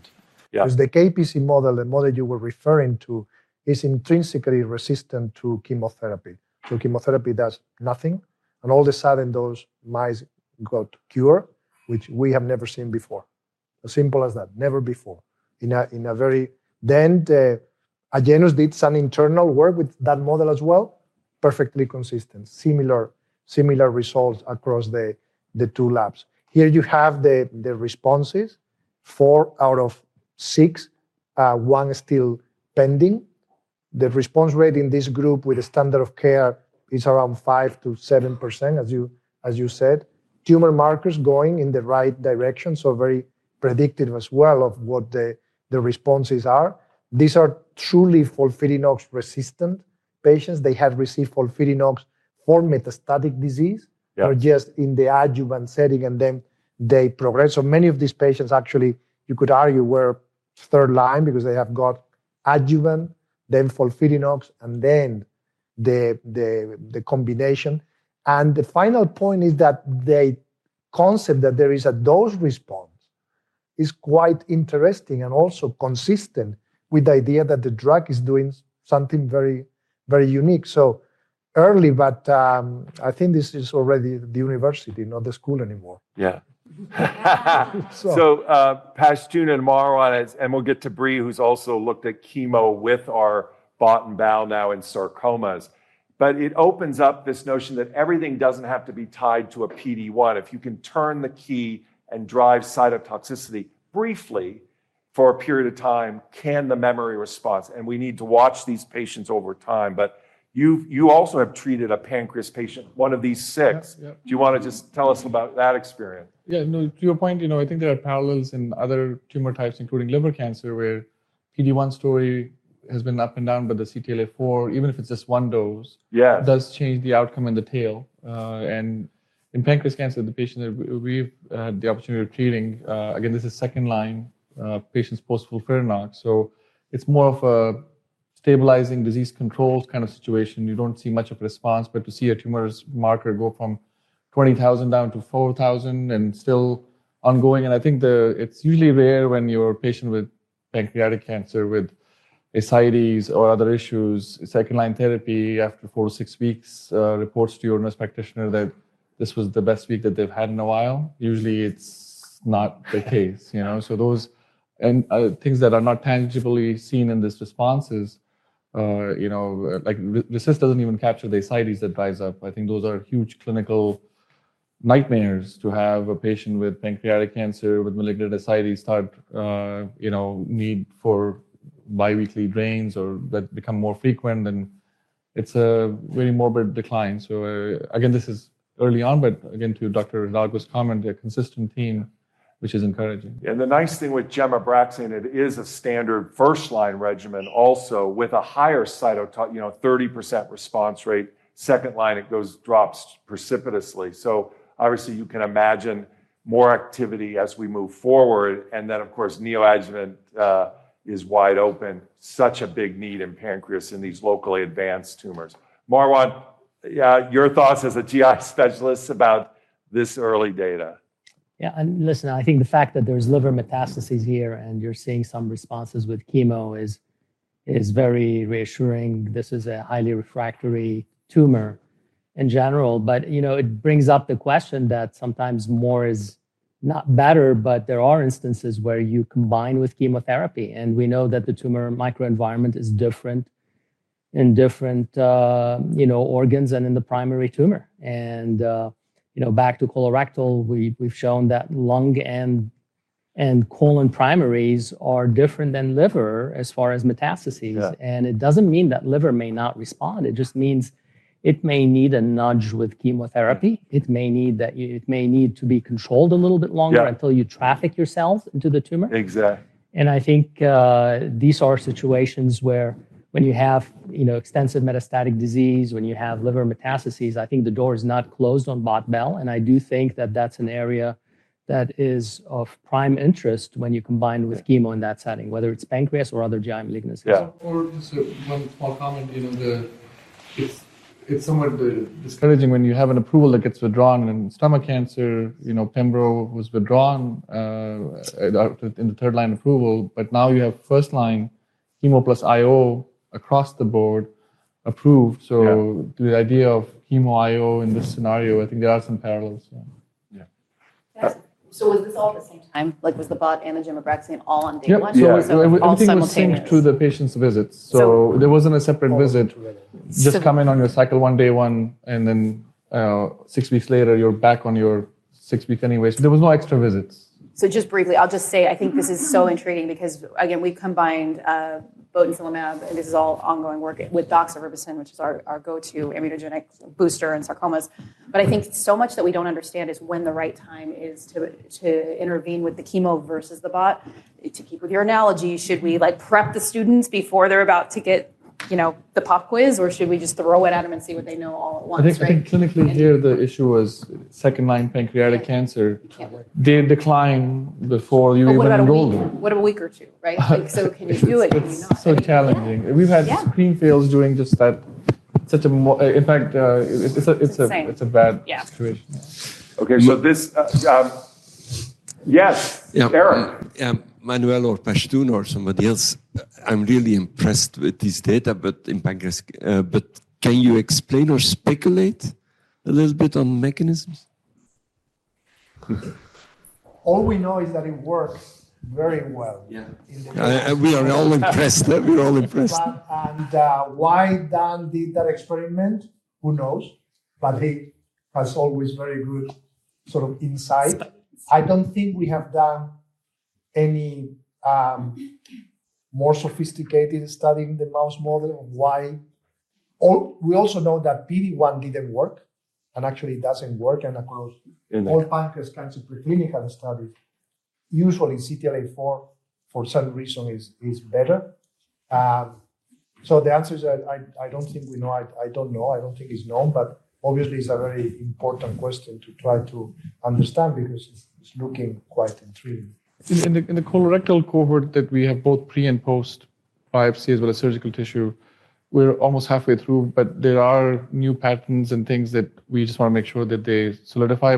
because the KPC model, the model you were referring to, is intrinsically resistant to chemotherapy. Chemotherapy does nothing, and all of a sudden, those mice got cured, which we have never seen before. As simple as that. Never before. Agenus did some internal work with that model as well. Perfectly consistent. Similar results across the two labs. Here you have the. Responses, four out of six, one is still pending. The response rate in this group with the standard of care is around 5% to 7%, as you said. Tumor markers going in the right direction, so very predictive as well of what the responses are. These are truly FOLFIRINOX-resistant patients. They have received FOLFIRINOX for metastatic disease, or just in the adjuvant setting, and then they progress. Many of these patients actually, you could argue, were third line because they have got adjuvant, then FOLFIRINOX, and then the combination. The final point is that the concept that there is a dose response is quite interesting and also consistent with the idea that the drug is doing something very, very unique. Early, but I think this is already the university, not the school anymore. Yeah. Pashtoon and Marwan, and we'll get to Bree, who's also looked at chemo with our botensilimab now in sarcomas. It opens up this notion that everything doesn't have to be tied to a PD-1. If you can turn the key and drive cytotoxicity briefly for a period of time, can the memory response, and we need to watch these patients over time. You also have treated a pancreas patient, one of these six. Do you want to just tell us about that experience? Yeah, no, to your point, I think there are parallels in other tumor types, including liver cancer, where the PD-1 story has been up and down, but the CTLA-4, even if it's just one dose, does change the outcome and the tail. In pancreas cancer, the patient that we've had the opportunity of treating, again, this is second line patients post-FOLFIRINOX. It's more of a stabilizing disease control kind of situation. You don't see much of a response, but to see a tumor marker go from 20,000 down to 4,000 and still ongoing. I think it's usually rare when you're a patient with pancreatic cancer with ascites or other issues, second line therapy after four to six weeks reports to your nurse practitioner that this was the best week that they've had in a while. Usually, it's not the case. Those things that are not tangibly seen in these responses, like the cyst doesn't even capture the ascites that dries up. I think those are huge clinical nightmares to have a patient with pancreatic cancer with malignant ascites start, need for biweekly drains or that become more frequent. It's a very morbid decline. This is early on, but again, to Dr. Hidalgo's comment, a consistent theme, which is encouraging. Yeah, and the nice thing with gemabraxine, it is a standard first line regimen, also with a higher cytotoxicity, you know, 30% response rate. Second line, it drops precipitously. Obviously, you can imagine more activity as we move forward. Of course, neoadjuvant is wide open. Such a big need in pancreas in these locally advanced tumors. Marwan, yeah, your thoughts as a GI specialist about this early data? Yeah, I think the fact that there's liver metastases here and you're seeing some responses with chemo is very reassuring. This is a highly refractory tumor in general. It brings up the question that sometimes more is not better, but there are instances where you combine with chemotherapy. We know that the tumor microenvironment is different in different organs and in the primary tumor. Back to colorectal, we've shown that lung and colon primaries are different than liver as far as metastases. It doesn't mean that liver may not respond. It just means it may need a nudge with chemotherapy. It may need to be controlled a little bit longer until you traffic yourself into the tumor. Exactly. I think these are situations where, when you have extensive metastatic disease, when you have liver metastases, the door is not closed on botensilimab. I do think that is an area that is of prime interest when you combine with chemo in that setting, whether it's pancreas or other GI malignancies. Yeah, just one more comment, you know, it's somewhat discouraging when you have an approval that gets withdrawn in stomach cancer. You know, Pembro was withdrawn in the third line approval, but now you have first line chemo plus IO across the board approved. The idea of chemo IO in this scenario, I think there are some parallels. Yeah. Was this all at the same time? Like, was the botensilimab and the gemabraxine all on day one? No, it was all simultaneous to the patient's visits. There wasn't a separate visit. Just come in on your cycle one, day one, and then six weeks later, you're back on your six-week annuation. There were no extra visits. I'll just say I think this is so intriguing because again, we've combined botensilimab and balstilimab, and this is all ongoing work with doxorubicin, which is our go-to immunogenic booster in sarcomas. I think so much that we don't understand is when the right time is to intervene with the chemo versus the botensilimab. To keep with your analogy, should we prep the students before they're about to get, you know, the pop quiz, or should we just throw it at them and see what they know all at once? I think clinically here, the issue was second-line pancreatic cancer. They decline before you even enrolled them. What about a week or two, right? Can you do it? It's so challenging. We've had three fails doing just that. In fact, it's a bad situation. Okay, yes, [Eric]. Manuel or Pashtoon or somebody else, I'm really impressed with this data in pancreas, but can you explain or speculate a little bit on the mechanism? All we know is that it works very well. Yeah, we're all impressed. We're all impressed. Why Dan did that experiment, who knows, but he has always very good sort of insight. I don't think we have done any more sophisticated study in the mouse model of why. We also know that PD-1 didn't work and actually doesn't work. Across all pancreas cancer preclinical studies, usually CTLA-4 for some reason is better. The answer is that I don't think we know. I don't know. I don't think it's known, but obviously it's a very important question to try to understand because it's looking quite intriguing. In the colorectal cohort that we have both pre and post biopsy as well as surgical tissue, we're almost halfway through, but there are new patterns and things that we just want to make sure that they solidify.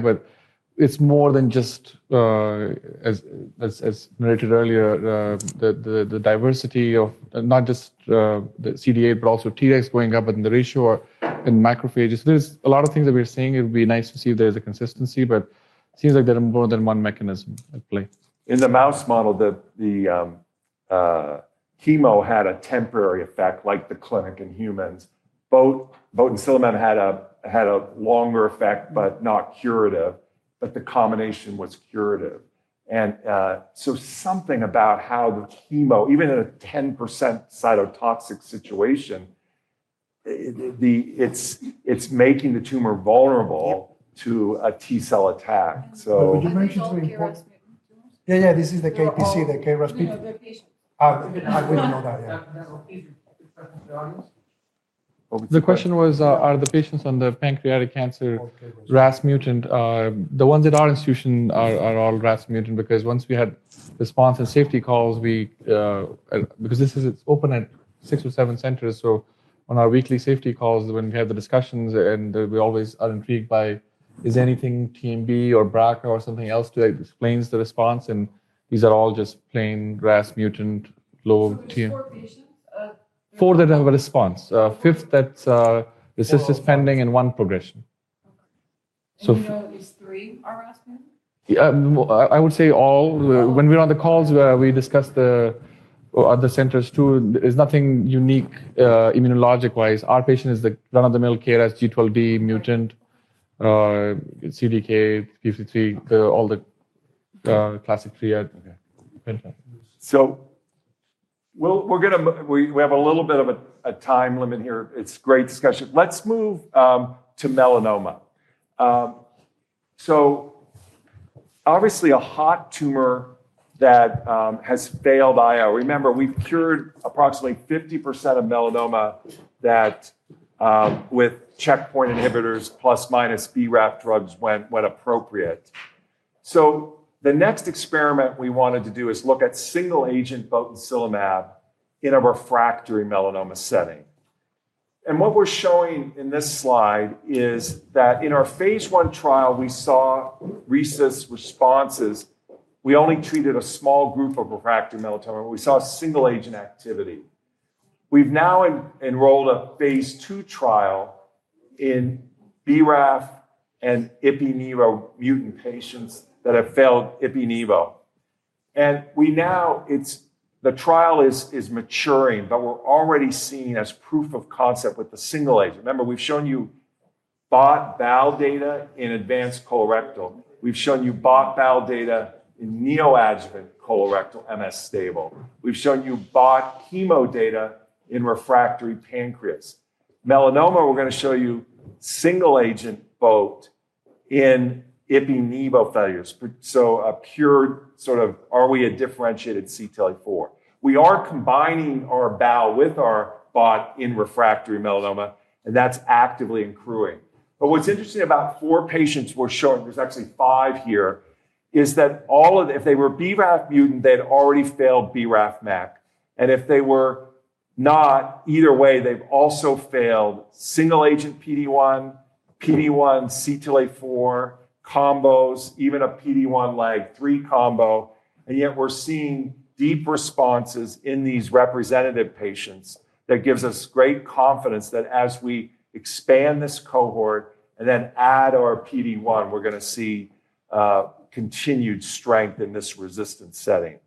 It's more than just, as narrated earlier, the diversity of not just the CD8, but also T-Rex going up in the ratio and macrophages. There's a lot of things that we're seeing. It would be nice to see if there's a consistency, but it seems like there's more than one mechanism at play. In the mouse model, the chemo had a temporary effect like the clinic in humans. Both botensilimab and balstilimab had a longer effect, but not curative, the combination was curative. Something about how the chemo, even in a 10% cytotoxic situation, it's making the tumor vulnerable to a T-cell attack. Yeah, this is the KPC, the KRAS. I wouldn't know that yet. The question was, are the patients on the pancreatic cancer RAS mutant? The ones at our institution are all RAS mutant because once we had response and safety calls, this is open at six or seven centers. On our weekly safety calls, when we have the discussions, we always are intrigued by, is anything TMB or BRCA or something else that explains the response? These are all just plain RAS mutant low TMB for that to have a response. Fifth, that's the cyst is pending and one progression. Is three RAS mutant? I would say all. When we're on the calls, we discuss the other centers too. There's nothing unique immunologic-wise. Our patient is the run-of-the-mil KRAS G12B mutant, CDK53, all the classic triad. We have a little bit of a time limit here. It's a great discussion. Let's move to melanoma. Obviously a hot tumor that has failed IO. Remember, we've cured approximately 50% of melanoma with checkpoint inhibitors plus minus BRAF drugs when appropriate. The next experiment we wanted to do is look at single-agent botensilimab in a refractory melanoma setting. What we're showing in this slide is that in our phase I trial, we saw responses. We only treated a small group of refractory melanoma. We saw single-agent activity. We've now enrolled a phase II trial in BRAF and Ipi/Nivo mutant patients that have failed Ipi/Nivo. The trial is maturing, but we're already seeing proof of concept with the single agent. Remember, we've shown you botensilimab data in advanced colorectal. We've shown you botensilimab data in neoadjuvant colorectal MS stable. We've shown you botensilimab plus chemo data in refractory pancreas. In melanoma, we're going to show you single-agent botensilimab in Ipi/Nivo failures. Are we a differentiated CTLA-4 inhibitor? We are combining our balstilimab with our botensilimab in refractory melanoma, and that's actively accruing. What's interesting about four patients we're showing, there's actually five here, is that if they were BRAF mutant, they'd already failed BRAF + MEK. If they were not, either way, they've also failed single-agent PD-1, PD-1, CTLA-4, combos, even a PD-1 LAG3 combo. Yet we're seeing deep responses in these representative patients that gives us great confidence that as we expand this cohort and then add our PD-1, we're going to see continued strength in this resistant setting.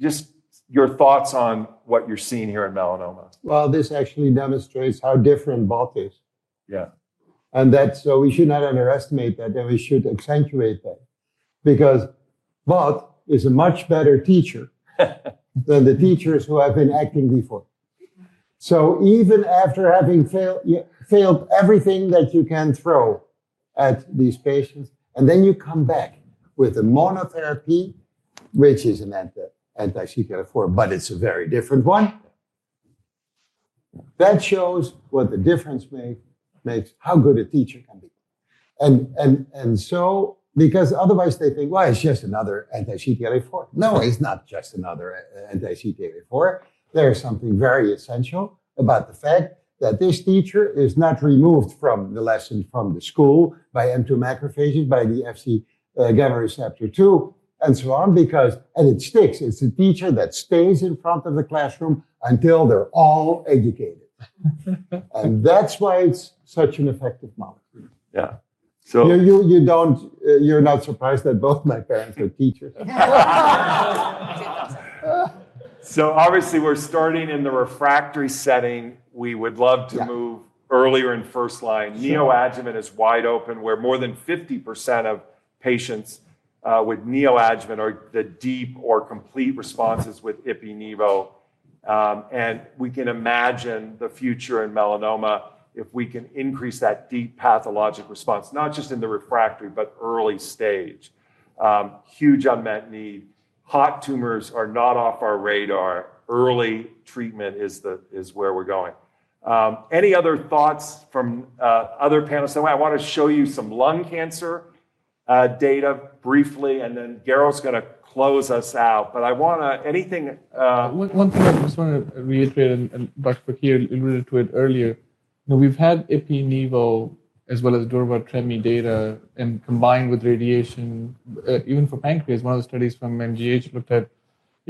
Just your thoughts on what you're seeing here in melanoma. This actually demonstrates how different botensilimab is. Yeah. We should not underestimate that, we should accentuate that because botensilimab is a much better teacher than the teachers who have been acting before. Even after having failed everything that you can throw at these patients, and then you come back with a monotherapy, which is an anti-CTLA-4, but it's a very different one, that shows what the difference makes, makes how good a teacher can be. Otherwise they think, it's just another anti-CTLA-4. No, it's not just another anti-CTLA-4. There's something very essential about the fact that this teacher is not removed from the lesson from the school by endomicrophagy, by the FC gamma receptor 2, and so on, because it sticks. It's a teacher that stays in front of the classroom until they're all educated. That's why it's such an effective model. Yeah. You're not surprised that both my parents are teachers. Obviously we're starting in the refractory setting. We would love to move earlier in first line. Neoadjuvant is wide open, where more than 50% of patients with neoadjuvant are the deep or complete responses with Ipi/Nivo. We can imagine the future in melanoma if we can increase that deep pathologic response, not just in the refractory, but early stage. Huge unmet need. Hot tumors are not off our radar. Early treatment is where we're going. Any other thoughts from other panels? I want to show you some lung cancer data briefly, and then Garo's going to close us out. I want to, anything? One thing I just want to reiterate, and Dr. Kier alluded to it earlier. We've had Ipi/Nivo as well as durvalumab data, and combined with radiation, even for pancreas. One of the studies from NGH looked at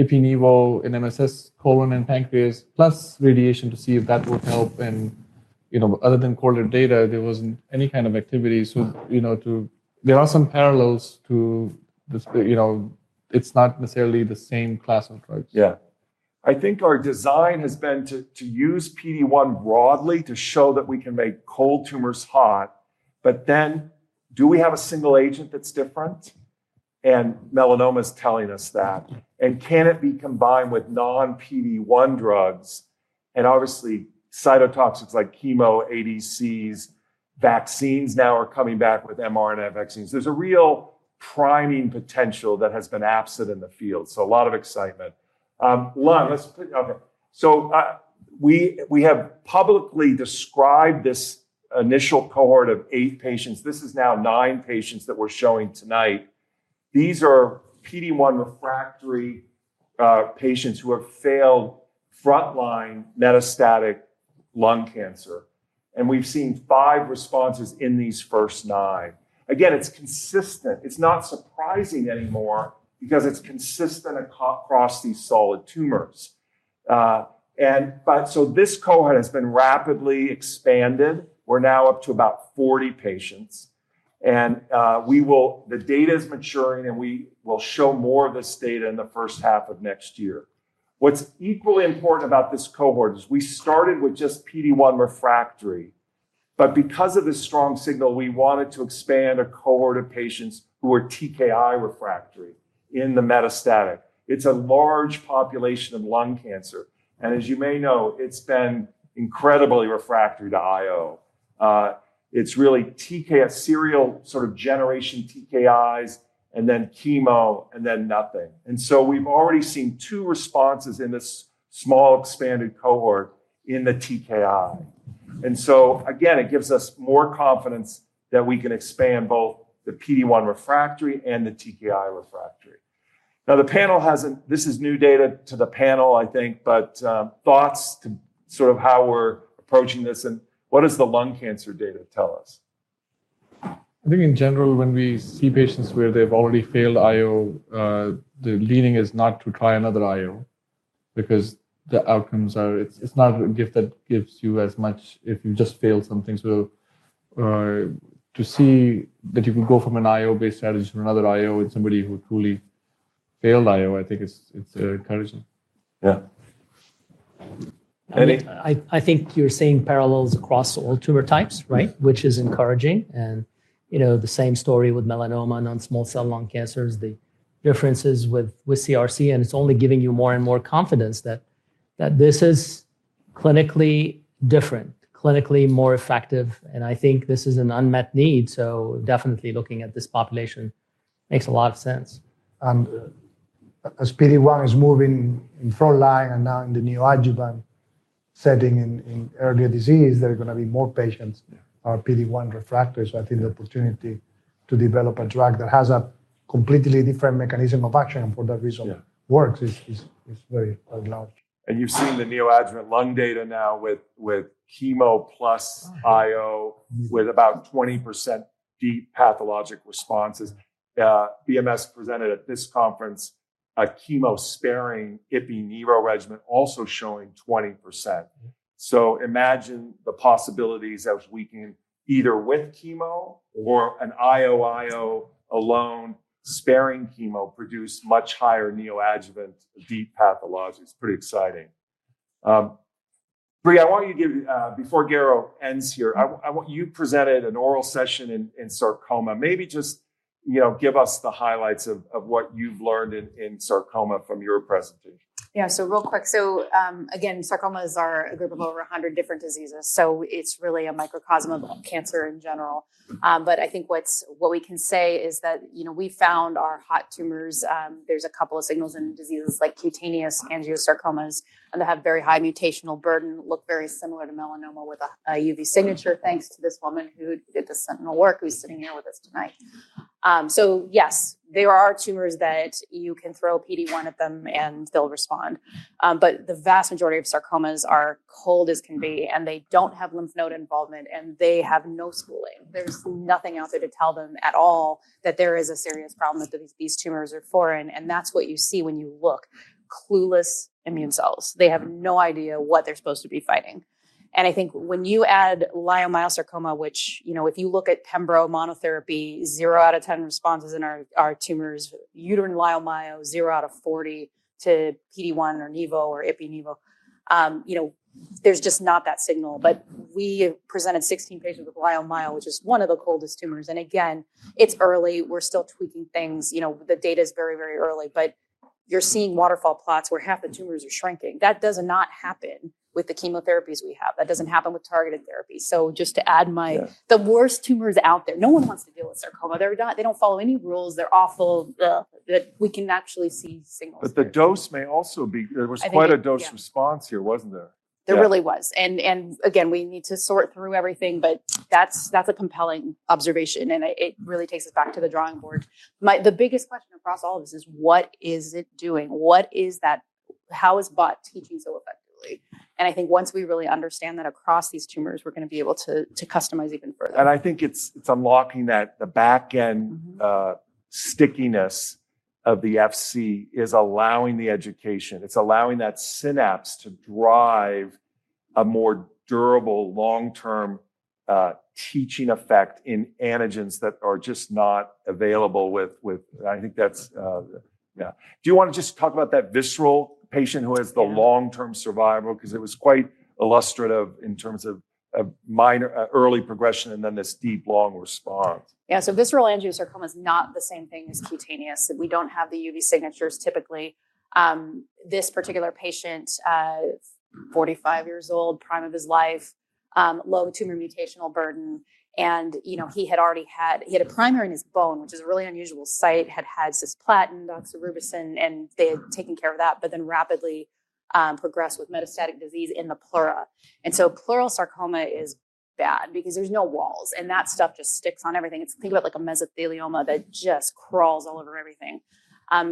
Ipi/Nivo in MSS colon and pancreas plus radiation to see if that would help. Other than quality of data, there wasn't any kind of activity. There are some parallels to this; it's not necessarily the same class of drugs. Yeah. I think our design has been to use PD-1 broadly to show that we can make cold tumors hot. Do we have a single agent that's different? Melanoma is telling us that. Can it be combined with non-PD-1 drugs? Obviously, cytotoxics like chemo, ADCs, vaccines now are coming back with mRNA vaccines. There's a real priming potential that has been absent in the field. A lot of excitement. Lung, let's put it. We have publicly described this initial cohort of eight patients. This is now nine patients that we're showing tonight. These are PD-1 refractory patients who have failed frontline metastatic lung cancer. We've seen five responses in these first nine. Again, it's consistent. It's not surprising anymore because it's consistent across these solid tumors. This cohort has been rapidly expanded. We're now up to about 40 patients. The data is maturing and we will show more of this data in the first half of next year. What's equally important about this cohort is we started with just PD-1 refractory. Because of this strong signal, we wanted to expand a cohort of patients who are TKI refractory in the metastatic. It's a large population of lung cancer. As you may know, it's been incredibly refractory to IO. It's really serial sort of generation TKIs and then chemo and then nothing. We've already seen two responses in this small expanded cohort in the TKI. Again, it gives us more confidence that we can expand both the PD-1 refractory and the TKI refractory. The panel hasn't, this is new data to the panel, I think, but thoughts to sort of how we're approaching this and what does the lung cancer data tell us? I think in general, when we see patients where they've already failed IO, the leaning is not to try another IO because the outcomes are, it's not a gift that gives you as much if you just failed something. To see that you can go from an IO-based strategy to another IO in somebody who truly failed IO, I think it's encouraging. Yeah. I think you're seeing parallels across all tumor types, right? Which is encouraging. You know, the same story with melanoma, non-small cell lung cancers, the differences with CRC, and it's only giving you more and more confidence that this is clinically different, clinically more effective. I think this is an unmet need. Definitely looking at this population makes a lot of sense. As PD-1 is moving in front line and now in the neoadjuvant setting in earlier disease, there are going to be more patients who are PD-1 refractory. I think the opportunity to develop a drug that has a completely different mechanism of action and for that reason works is very out loud. You've seen the neoadjuvant lung data now with chemo plus IO with about 20% deep pathologic responses. BMS presented at this conference a chemo-sparing ipi/NeVo regimen also showing 20%. Imagine the possibilities of weakening either with chemo or an IO-IO alone sparing chemo produced much higher neoadjuvant deep pathology. It's pretty exciting. Bree, I want you to give, before Garo ends here, I want you to present an oral session in sarcoma. Maybe just give us the highlights of what you've learned in sarcoma from your presentation. Yeah, real quick. Again, sarcoma is a group of over 100 different diseases. It's really a microcosm of cancer in general. I think what we can say is that we found our hot tumors. There's a couple of signals in diseases like cutaneous angiosarcomas that have very high mutational burden, look very similar to melanoma with a UV signature, thanks to this woman who did the sentinel work who's sitting here with us tonight. Yes, there are tumors that you can throw PD-1 at them and they'll respond. The vast majority of sarcomas are cold as can be, and they don't have lymph node involvement, and they have no schooling. There's nothing out there to tell them at all that there is a serious problem that these tumors are foreign. That's what you see when you look. Clueless immune cells. They have no idea what they're supposed to be fighting. I think when you add leiomyosarcoma, which, if you look at Pembro monotherapy, zero out of 10 responses in our tumors, uterine leiomyosarcoma, zero out of 40 to PD-1 or Nivo or Ipi/Nivo, there's just not that signal. We presented 16 patients with leiomyosarcoma, which is one of the coldest tumors. Again, it's early. We're still tweaking things. The data is very, very early. You're seeing waterfall plots where half the tumors are shrinking. That does not happen with the chemotherapies we have. That doesn't happen with targeted therapy. Just to add, the worst tumors out there, no one wants to deal with sarcoma. They don't follow any rules. They're awful. We can actually see signals. The dose may also be, there was quite a dose response here, wasn't there? There really was. We need to sort through everything, but that's a compelling observation. It really takes us back to the drawing board. The biggest question across all of this is what is it doing? What is that? How is botensilimab teaching so effectively? I think once we really understand that across these tumors, we're going to be able to customize even further. I think it's unlocking that the backend stickiness of the FC is allowing the education. It's allowing that synapse to drive a more durable, long-term teaching effect in antigens that are just not available with, I think that's, yeah. Do you want to just talk about that visceral patient who has the long-term survival? It was quite illustrative in terms of a minor early progression and then this deep, long response. Yeah, visceral angiosarcoma is not the same thing as cutaneous. We don't have the UV signatures typically. This particular patient, 45 years old, prime of his life, low tumor mutational burden. He had already had a primary in his bone, which is a really unusual site, had had cisplatin, doxorubicin, and they had taken care of that, but then rapidly progressed with metastatic disease in the pleura. Pleural sarcoma is bad because there's no walls, and that stuff just sticks on everything. It's like a mesothelioma that just crawls all over everything.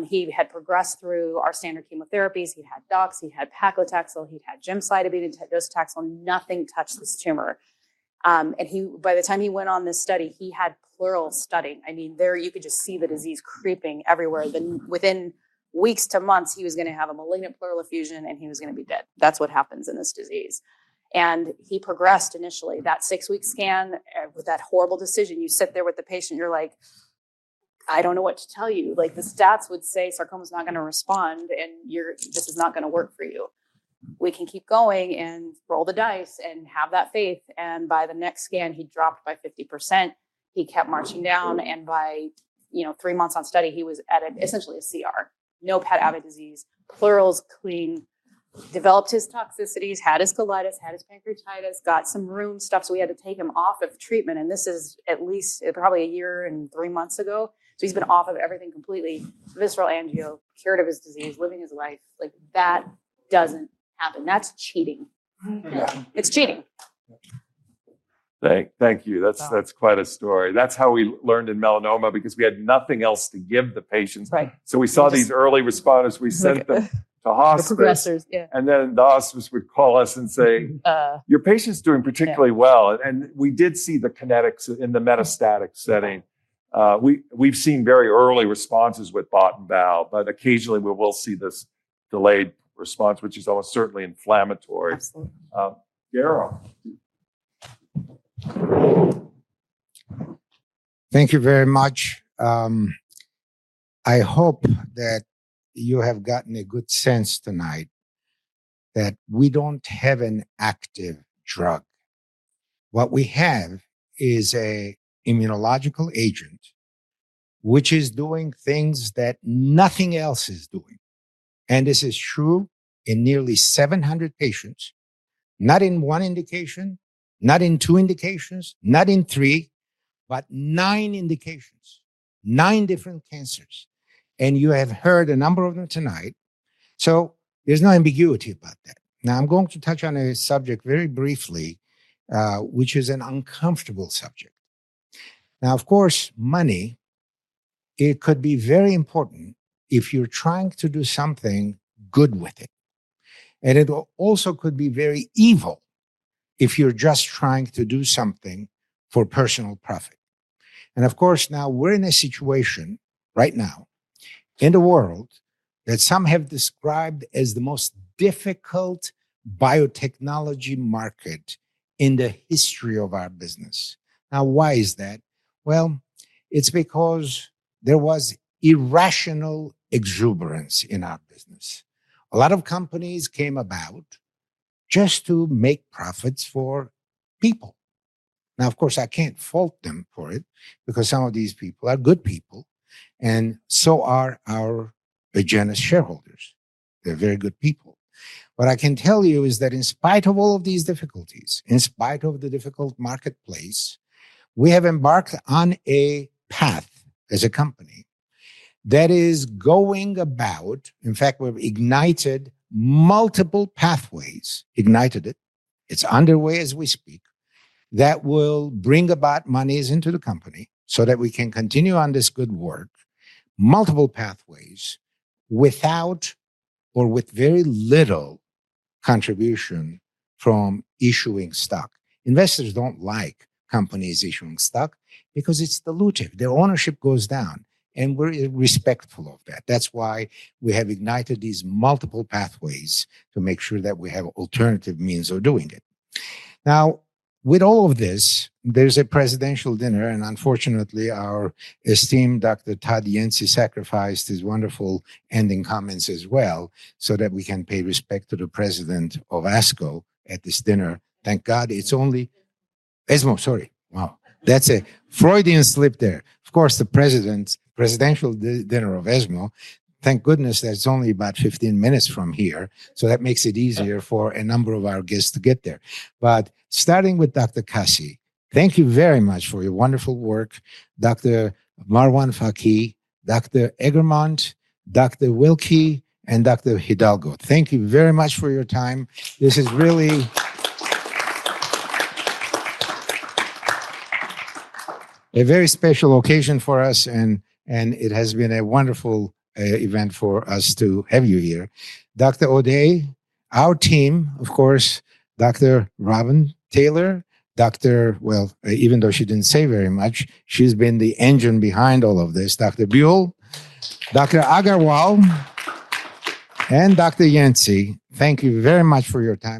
He had progressed through our standard chemotherapies. He'd had dox, he'd had paclitaxel, he'd had gemcitabine, and tetanus toxin, nothing touched this tumor. By the time he went on this study, he had pleural studding. You could just see the disease creeping everywhere. Within weeks to months, he was going to have a malignant pleural effusion and he was going to be dead. That's what happens in this disease. He progressed initially. That six-week scan, with that horrible decision, you sit there with the patient, you're like, I don't know what to tell you. The stats would say sarcoma is not going to respond and this is not going to work for you. We can keep going and roll the dice and have that faith. By the next scan, he dropped by 50%. He kept marching down. By three months on study, he was at essentially a CR. No PET avid disease. Pleura's clean. Developed his toxicities, had his colitis, had his pancreatitis, got some room stuff. We had to take him off of treatment. This is at least probably a year and three months ago. He's been off of everything completely. Visceral angio, cured of his disease, living his life. That doesn't happen. That's cheating. Yeah, it's cheating. Thank you. That's quite a story. That's how we learned in melanoma because we had nothing else to give the patients. We saw these early responders. We sent them to hospice. Progressors, yeah. The hospice would call us and say, your patient's doing particularly well. We did see the kinetics in the metastatic setting. We've seen very early responses with botensilimab and balstilimab. Occasionally, we will see this delayed response, which is almost certainly inflammatory. Garo. Thank you very much. I hope that you have gotten a good sense tonight that we don't have an active drug. What we have is an immunological agent, which is doing things that nothing else is doing. This is true in nearly 700 patients, not in one indication, not in two indications, not in three, but nine indications, nine different cancers. You have heard a number of them tonight. There is no ambiguity about that. Now I'm going to touch on a subject very briefly, which is an uncomfortable subject. Of course, money could be very important if you're trying to do something good with it. It also could be very evil if you're just trying to do something for personal profit. Of course, now we're in a situation right now in the world that some have described as the most difficult biotechnology market in the history of our business. Why is that? It's because there was irrational exuberance in our business. A lot of companies came about just to make profits for people. I can't fault them for it because some of these people are good people and so are our Agenus shareholders. They're very good people. What I can tell you is that in spite of all of these difficulties, in spite of the difficult marketplace, we have embarked on a path as a company that is going about, in fact, we've ignited multiple pathways, ignited it. It's underway as we speak that will bring about monies into the company so that we can continue on this good work, multiple pathways without or with very little contribution from issuing stock. Investors don't like companies issuing stock because it's dilutive. Their ownership goes down and we're respectful of that. That's why we have ignited these multiple pathways to make sure that we have alternative means of doing it. With all of this, there's a presidential dinner and unfortunately, our esteemed Dr. Todd Yancey sacrificed his wonderful ending comments as well so that we can pay respect to the president of ASCO at this dinner. Thank God it's only ESMO, sorry. Wow, that's a Freudian slip there. Of course, the president's presidential dinner of ESMO, thank goodness that it's only about 15 minutes from here. That makes it easier for a number of our guests to get there. Starting with Dr. Kasi, thank you very much for your wonderful work. Dr. Marwan Fakih, Dr. Eggermont, Dr. Wilky, and Dr. Hidalgo, thank you very much for your time. This is really a very special occasion for us and it has been a wonderful event for us to have you here. Dr. O'Day, our team, of course, Dr. Robin Taylor, even though she didn't say very much, she's been the engine behind all of this. Dr. Buell, Dr. Agarwal, and Dr. Yancey, thank you very much for your time.